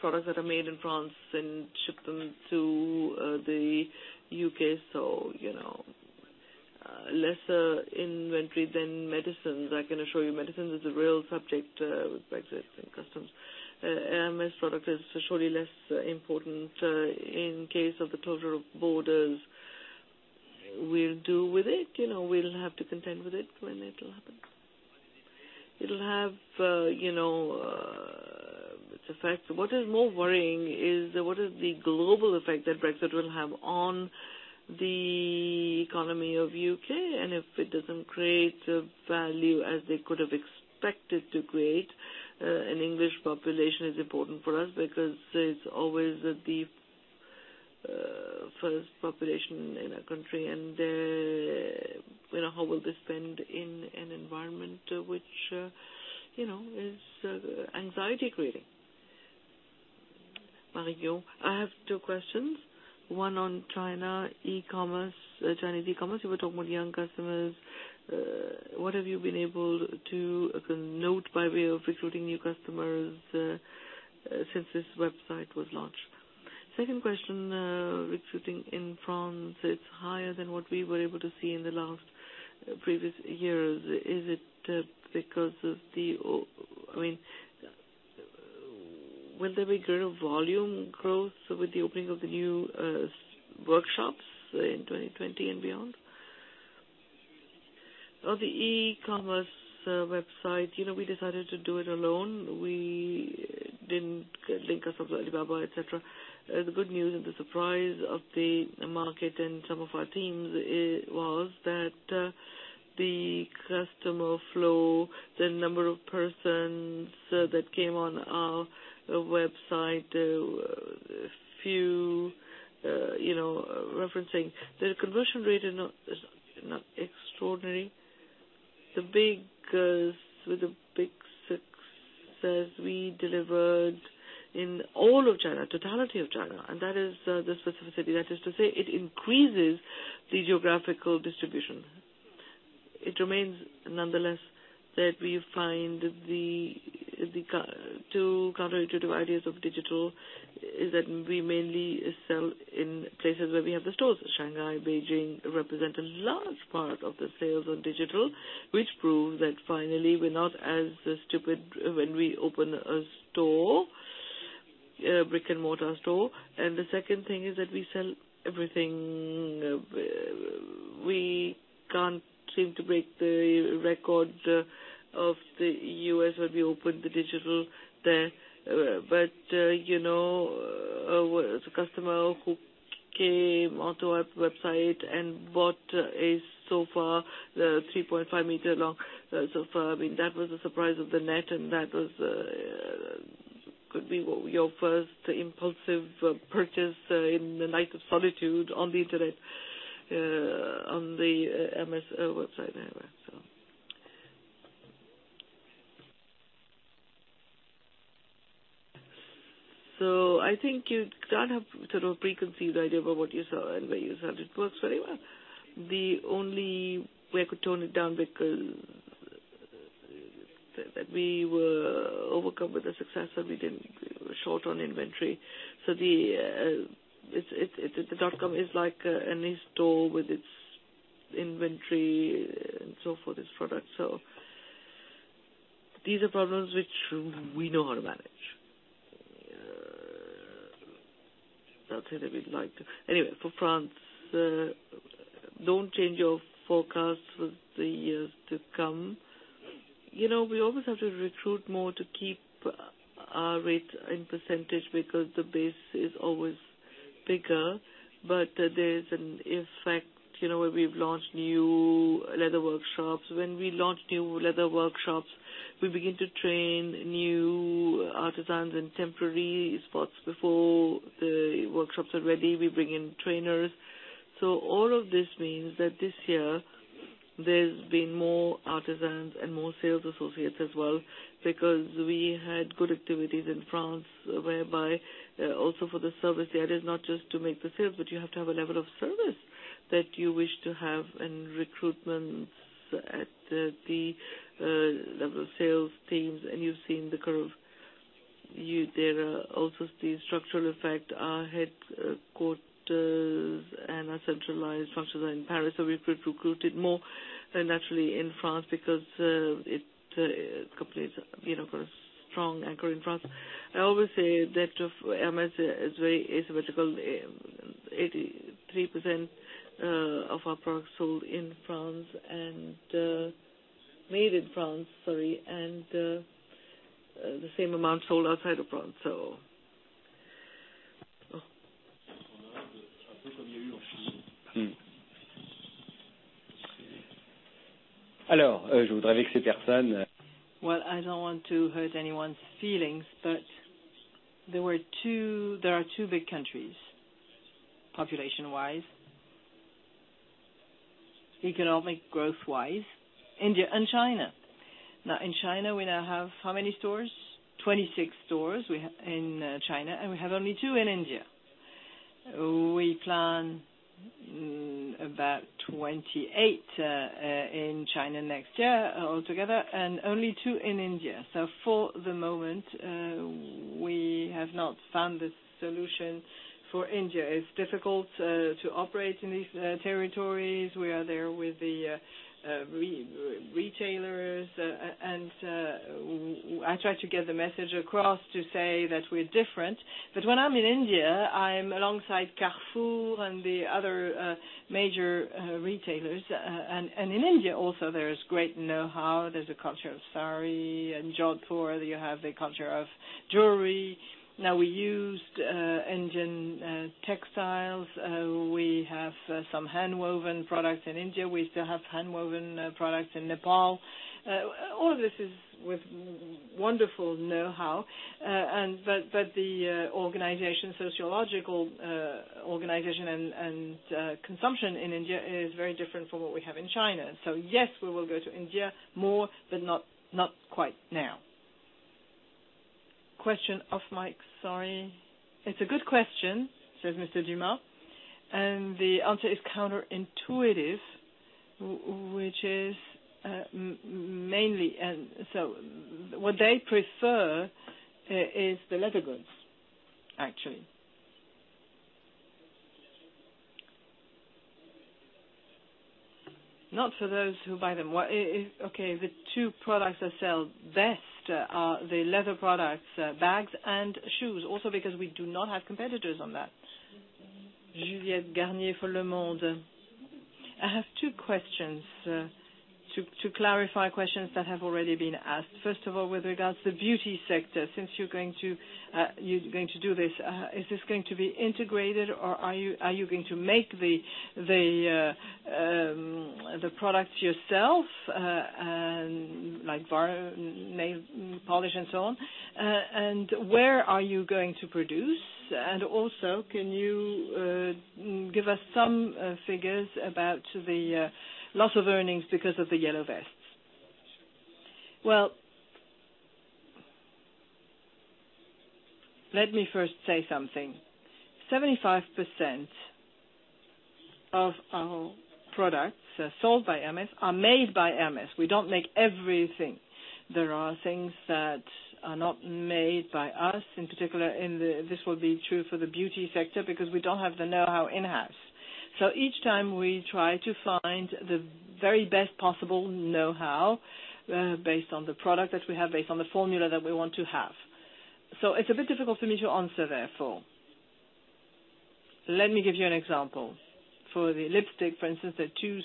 products that are made in France and ship them to the U.K. Lesser inventory than medicines. I can assure you, medicines is a real subject with Brexit and customs. Hermès product is surely less important, in case of the closure of borders. We'll deal with it. We'll have to contend with it when it'll happen. What is more worrying is, what is the global effect that Brexit will have on the economy of U.K., and if it doesn't create value as they could have expected to create. An English population is important for us because it's always the first population in our country, and how will they spend in an environment which is anxiety-creating? Mario. I have two questions. One on China e-commerce. You were talking about young customers. What have you been able to note by way of recruiting new customers since this website was launched? Second question. Recruiting in France, it's higher than what we were able to see in the last previous years. Will there be greater volume growth with the opening of the new workshops in 2020 and beyond? On the e-commerce website, we decided to do it alone. We didn't link ourselves to Alibaba, et cetera. The good news and the surprise of the market and some of our teams was that the customer flow, the number of persons that came on our website, few referencing. The conversion rate is not extraordinary. The big success we delivered in all of China, totality of China, and that is the specificity. That is to say, it increases the geographical distribution. It remains, nonetheless, that we find the two counterintuitive ideas of digital is that we mainly sell in places where we have the stores. Shanghai, Beijing, represent a large part of the sales on digital, which proves that finally, we're not as stupid when we open a store, a brick and mortar store. The second thing is that we sell everything. We can't seem to break the record of the U.S. when we opened the digital there. There was a customer who came onto our website and bought a sofa, 3.5-meter long sofa. That was a surprise of the net, and that could be your first impulsive purchase in the light of solitude on the internet, on the Hermès website. Anyway. I think you can't have total preconceived idea about what you sell and where you sell. It works very well. The only way I could tone it down, because we were overcome with the success, and we were short on inventory. The dotcom is like any store with its inventory and so forth, its product. These are problems which we know how to manage. That's it. Anyway, for France, don't change your forecast for the years to come. We always have to recruit more to keep our rate in %, because the base is always bigger. There's an effect where we've launched new leather workshops. When we launch new leather workshops, we begin to train new artisans in temporary spots before the workshops are ready. We bring in trainers. All of this means that this year there's been more artisans and more sales associates as well, because we had good activities in France, whereby also for the service, the idea is not just to make the sale, but you have to have a level of service that you wish to have and recruitments at the level of sales teams. You've seen the curve. There are also the structural effect, our headquarters and our centralized functions are in Paris. We've recruited more, naturally, in France because the company's got a strong anchor in France. I always say the debt of Hermès is very asymmetrical. 83% of our products sold in France Made in France, sorry, and the same amount sold outside of France. Well, I don't want to hurt anyone's feelings, there are two big countries, population-wise, economic growth-wise, India and China. Now, in China, we now have how many stores? 26 stores in China, we have only two in India. We plan about 28 in China next year altogether, only two in India. For the moment, we have not found the solution for India. It's difficult to operate in these territories. We are there with the retailers, I try to get the message across to say that we're different. When I'm in India, I'm alongside Carrefour and the other major retailers. In India also, there's great know-how. There's a culture of sari. In Jodhpur, you have the culture of jewelry. We used Indian textiles. We have some hand-woven products in India. We still have hand-woven products in Nepal. All of this is with wonderful know-how, the sociological organization, and consumption in India is very different from what we have in China. Yes, we will go to India more, but not quite now. Question off mic. Sorry. "It's a good question," says Mr. Dumas, "The answer is counterintuitive, which is mainly, what they prefer is the leather goods, actually." Not for those who buy them. Okay. The two products that sell best are the leather products, bags, and shoes. Also because we do not have competitors on that. Juliette Garnier for "Le Monde." I have two questions to clarify questions that have already been asked. With regards to the beauty sector, since you're going to do this, is this going to be integrated, or are you going to make the products yourself, like nail polish and so on? Where are you going to produce? Also, can you give us some figures about the loss of earnings because of the Yellow Vests? Let me first say something. 75% of our products that are sold by Hermès are made by Hermès. We don't make everything. There are things that are not made by us in particular, this will be true for the beauty sector because we don't have the know-how in-house. Each time we try to find the very best possible know-how based on the product that we have, based on the formula that we want to have. It's a bit difficult for me to answer, therefore. Let me give you an example. For the lipstick, for instance, there are 2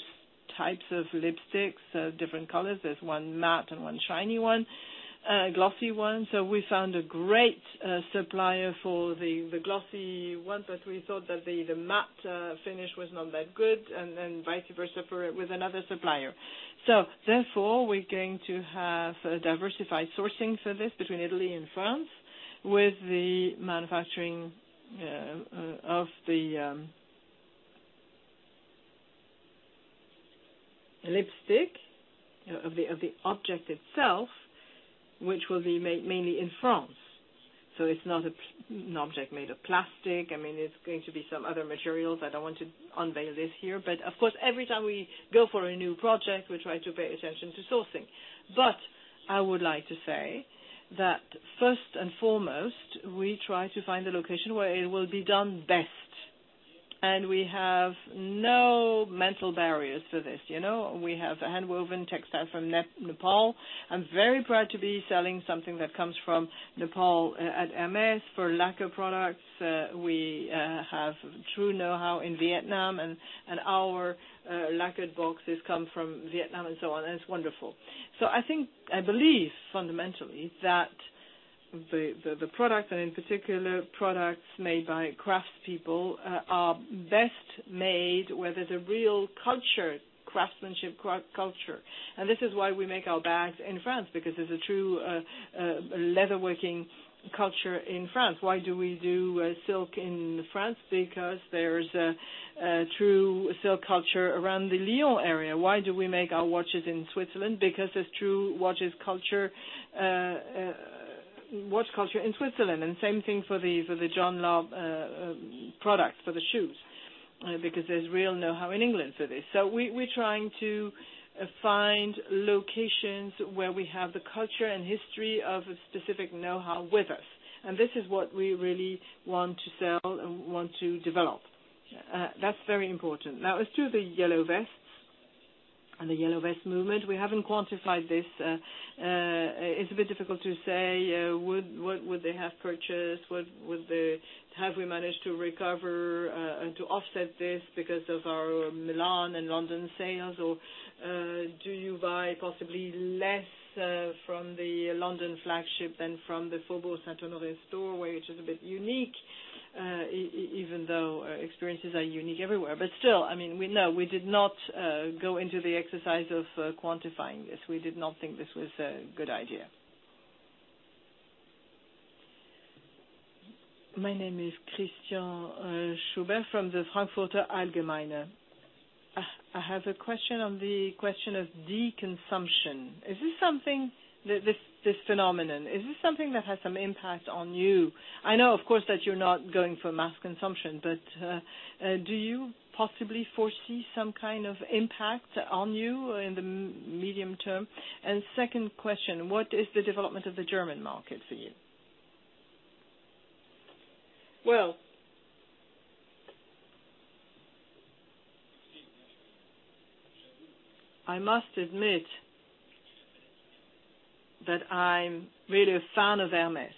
types of lipsticks, different colors. There's one matte and one shiny, a glossy one. We found a great supplier for the glossy one, we thought that the matte finish was not that good, vice versa with another supplier. Therefore, we're going to have diversified sourcing for this between Italy and France with the manufacturing of the lipstick, of the object itself, which will be made mainly in France. It's not an object made of plastic. It's going to be some other materials. I don't want to unveil this here. Of course, every time we go for a new project, we try to pay attention to sourcing. I would like to say that first and foremost, we try to find a location where it will be done best, we have no mental barriers for this. We have hand-woven textile from Nepal. I'm very proud to be selling something that comes from Nepal at Hermès. For lacquer products, we have true know-how in Vietnam, our lacquered boxes come from Vietnam and so on, it's wonderful. I believe fundamentally that The product, and in particular, products made by craftspeople, are best made where there is a real craftsmanship culture. This is why we make our bags in France, because there is a true leatherworking culture in France. Why do we do silk in France? Because there is a true silk culture around the Lyon area. Why do we make our watches in Switzerland? Because there is true watch culture in Switzerland. Same thing for the John Lobb products, for the shoes, because there is real know-how in England for this. We are trying to find locations where we have the culture and history of a specific know-how with us, and this is what we really want to sell and want to develop. That is very important. Now, as to the Yellow Vests and the Yellow Vest movement, we have not quantified this. It is a bit difficult to say. Would they have purchased? Have we managed to recover and to offset this because of our Milan and London sales, or do you buy possibly less from the London flagship than from the Faubourg Saint-Honoré store, which is a bit unique, even though experiences are unique everywhere. But still, no, we did not go into the exercise of quantifying this. We did not think this was a good idea. My name is Christian Schubert from the Frankfurter Allgemeine Zeitung. I have a question on the question of de-consumption. This phenomenon, is this something that has some impact on you? I know, of course, that you are not going for mass consumption, but do you possibly foresee some kind of impact on you in the medium term? Second question, what is the development of the German market for you? Well, I must admit that I am really a fan of Hermès.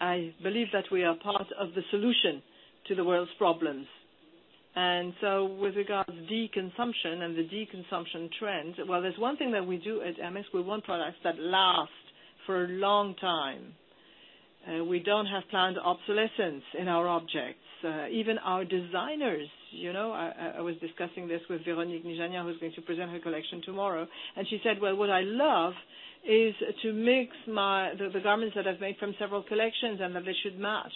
I believe that we are part of the solution to the world's problems, and so with regard to de-consumption and the de-consumption trend, well, there is one thing that we do at Hermès. We want products that last for a long time. We do not have planned obsolescence in our objects, even our designers. I was discussing this with Véronique Nichanian, who is going to present her collection tomorrow, and she said, "Well, what I love is to mix the garments that I have made from several collections and that they should match."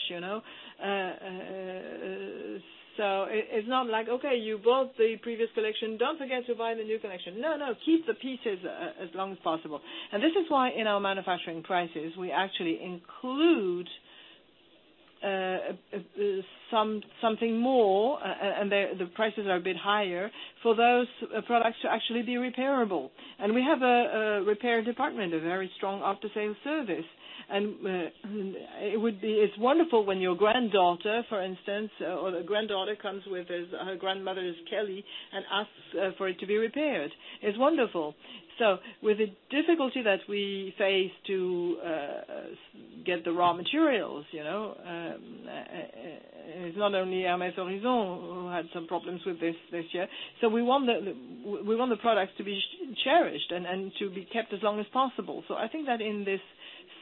So it is not like, okay, you bought the previous collection. Do not forget to buy the new collection. No, keep the pieces as long as possible. This is why in our manufacturing prices, we actually include something more, and the prices are a bit higher for those products to actually be repairable. And we have a repair department, a very strong after-sale service. It is wonderful when your granddaughter, for instance, or the granddaughter comes with her grandmother's Kelly and asks for it to be repaired. It is wonderful. So with the difficulty that we face to get the raw materials, it is not only Hermès Horizon who had some problems with this this year. So we want the products to be cherished and to be kept as long as possible. So I think that in this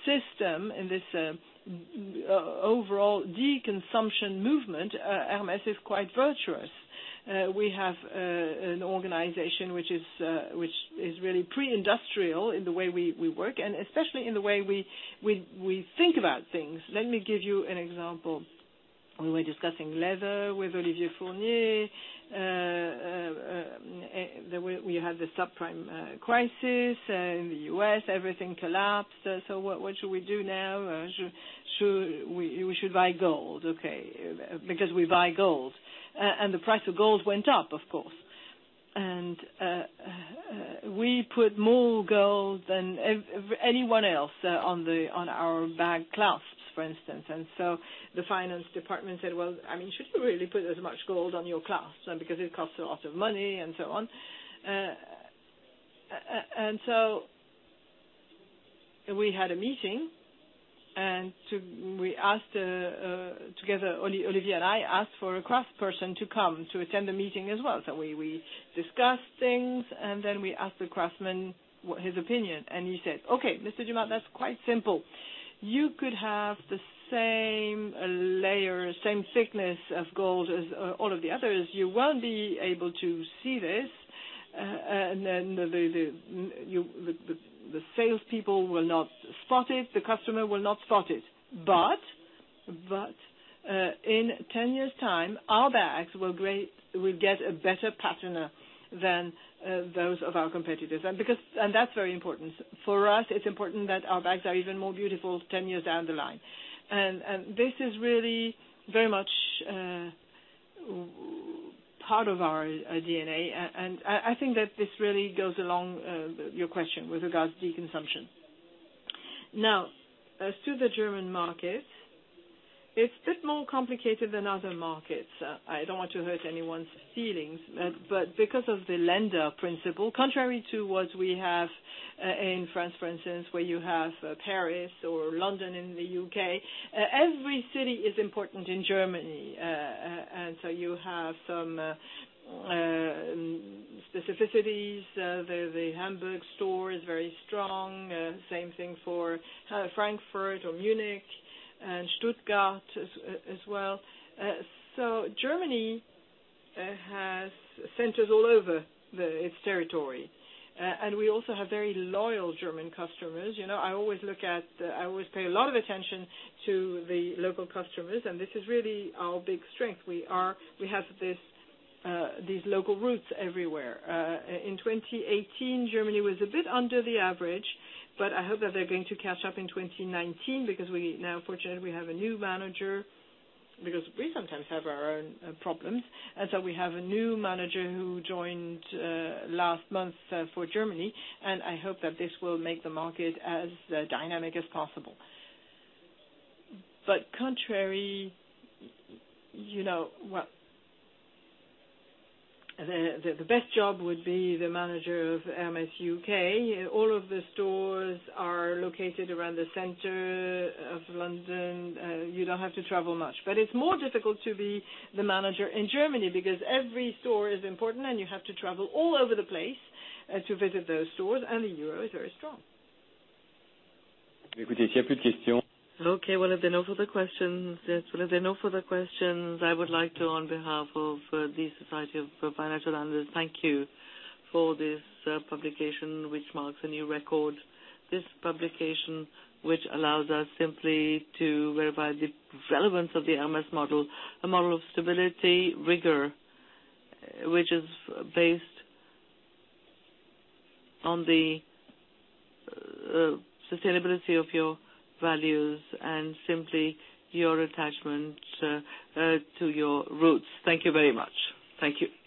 system, in this overall de-consumption movement, Hermès is quite virtuous. We have an organization which is really pre-industrial in the way we work and especially in the way we think about things. Let me give you an example. We were discussing leather with Olivier Fournier. We had the subprime crisis in the U.S. Everything collapsed. So what should we do now? We should buy gold, okay, because we buy gold. The price of gold went up, of course. We put more gold than anyone else on our bag clasps, for instance. The finance department said, "Well, should you really put as much gold on your clasps because it costs a lot of money," and so on. We had a meeting, and together, Olivier and I asked for a craftsperson to come to attend the meeting as well. We discussed things, and then we asked the craftsman his opinion, and he said, "Okay, Mr. Dumas, that's quite simple. You could have the same layer, same thickness of gold as all of the others. You won't be able to see this. The salespeople will not spot it. The customer will not spot it. In 10 years' time, our bags will get a better patina than those of our competitors." That's very important. For us, it's important that our bags are even more beautiful 10 years down the line. This is really very much part of our DNA. I think that this really goes along with your question with regards to de-consumption. As to the German market, it's a bit more complicated than other markets. I don't want to hurt anyone's feelings. Because of the lender principle, contrary to what we have in France, for instance, where you have Paris or London in the U.K., every city is important in Germany. You have some specificities, the Hamburg store is very strong. Same thing for Frankfurt or Munich and Stuttgart as well. Germany has centers all over its territory. We also have very loyal German customers. I always pay a lot of attention to the local customers, and this is really our big strength. We have these local roots everywhere. In 2018, Germany was a bit under the average, but I hope that they're going to catch up in 2019 because we now, fortunately, have a new manager, because we sometimes have our own problems. We have a new manager who joined last month for Germany, and I hope that this will make the market as dynamic as possible. Contrary, the best job would be the manager of Hermès U.K. All of the stores are located around the center of London. You don't have to travel much. It's more difficult to be the manager in Germany because every store is important, and you have to travel all over the place to visit those stores, and the Euro is very strong. Okay, well, if there are no further questions, I would like to, on behalf of the Society of Financial Analysts, thank you for this publication, which marks a new record. This publication, which allows us simply to verify the relevance of the Hermès model, a model of stability, rigor, which is based on the sustainability of your values and simply your attachment to your roots. Thank you very much. Thank you.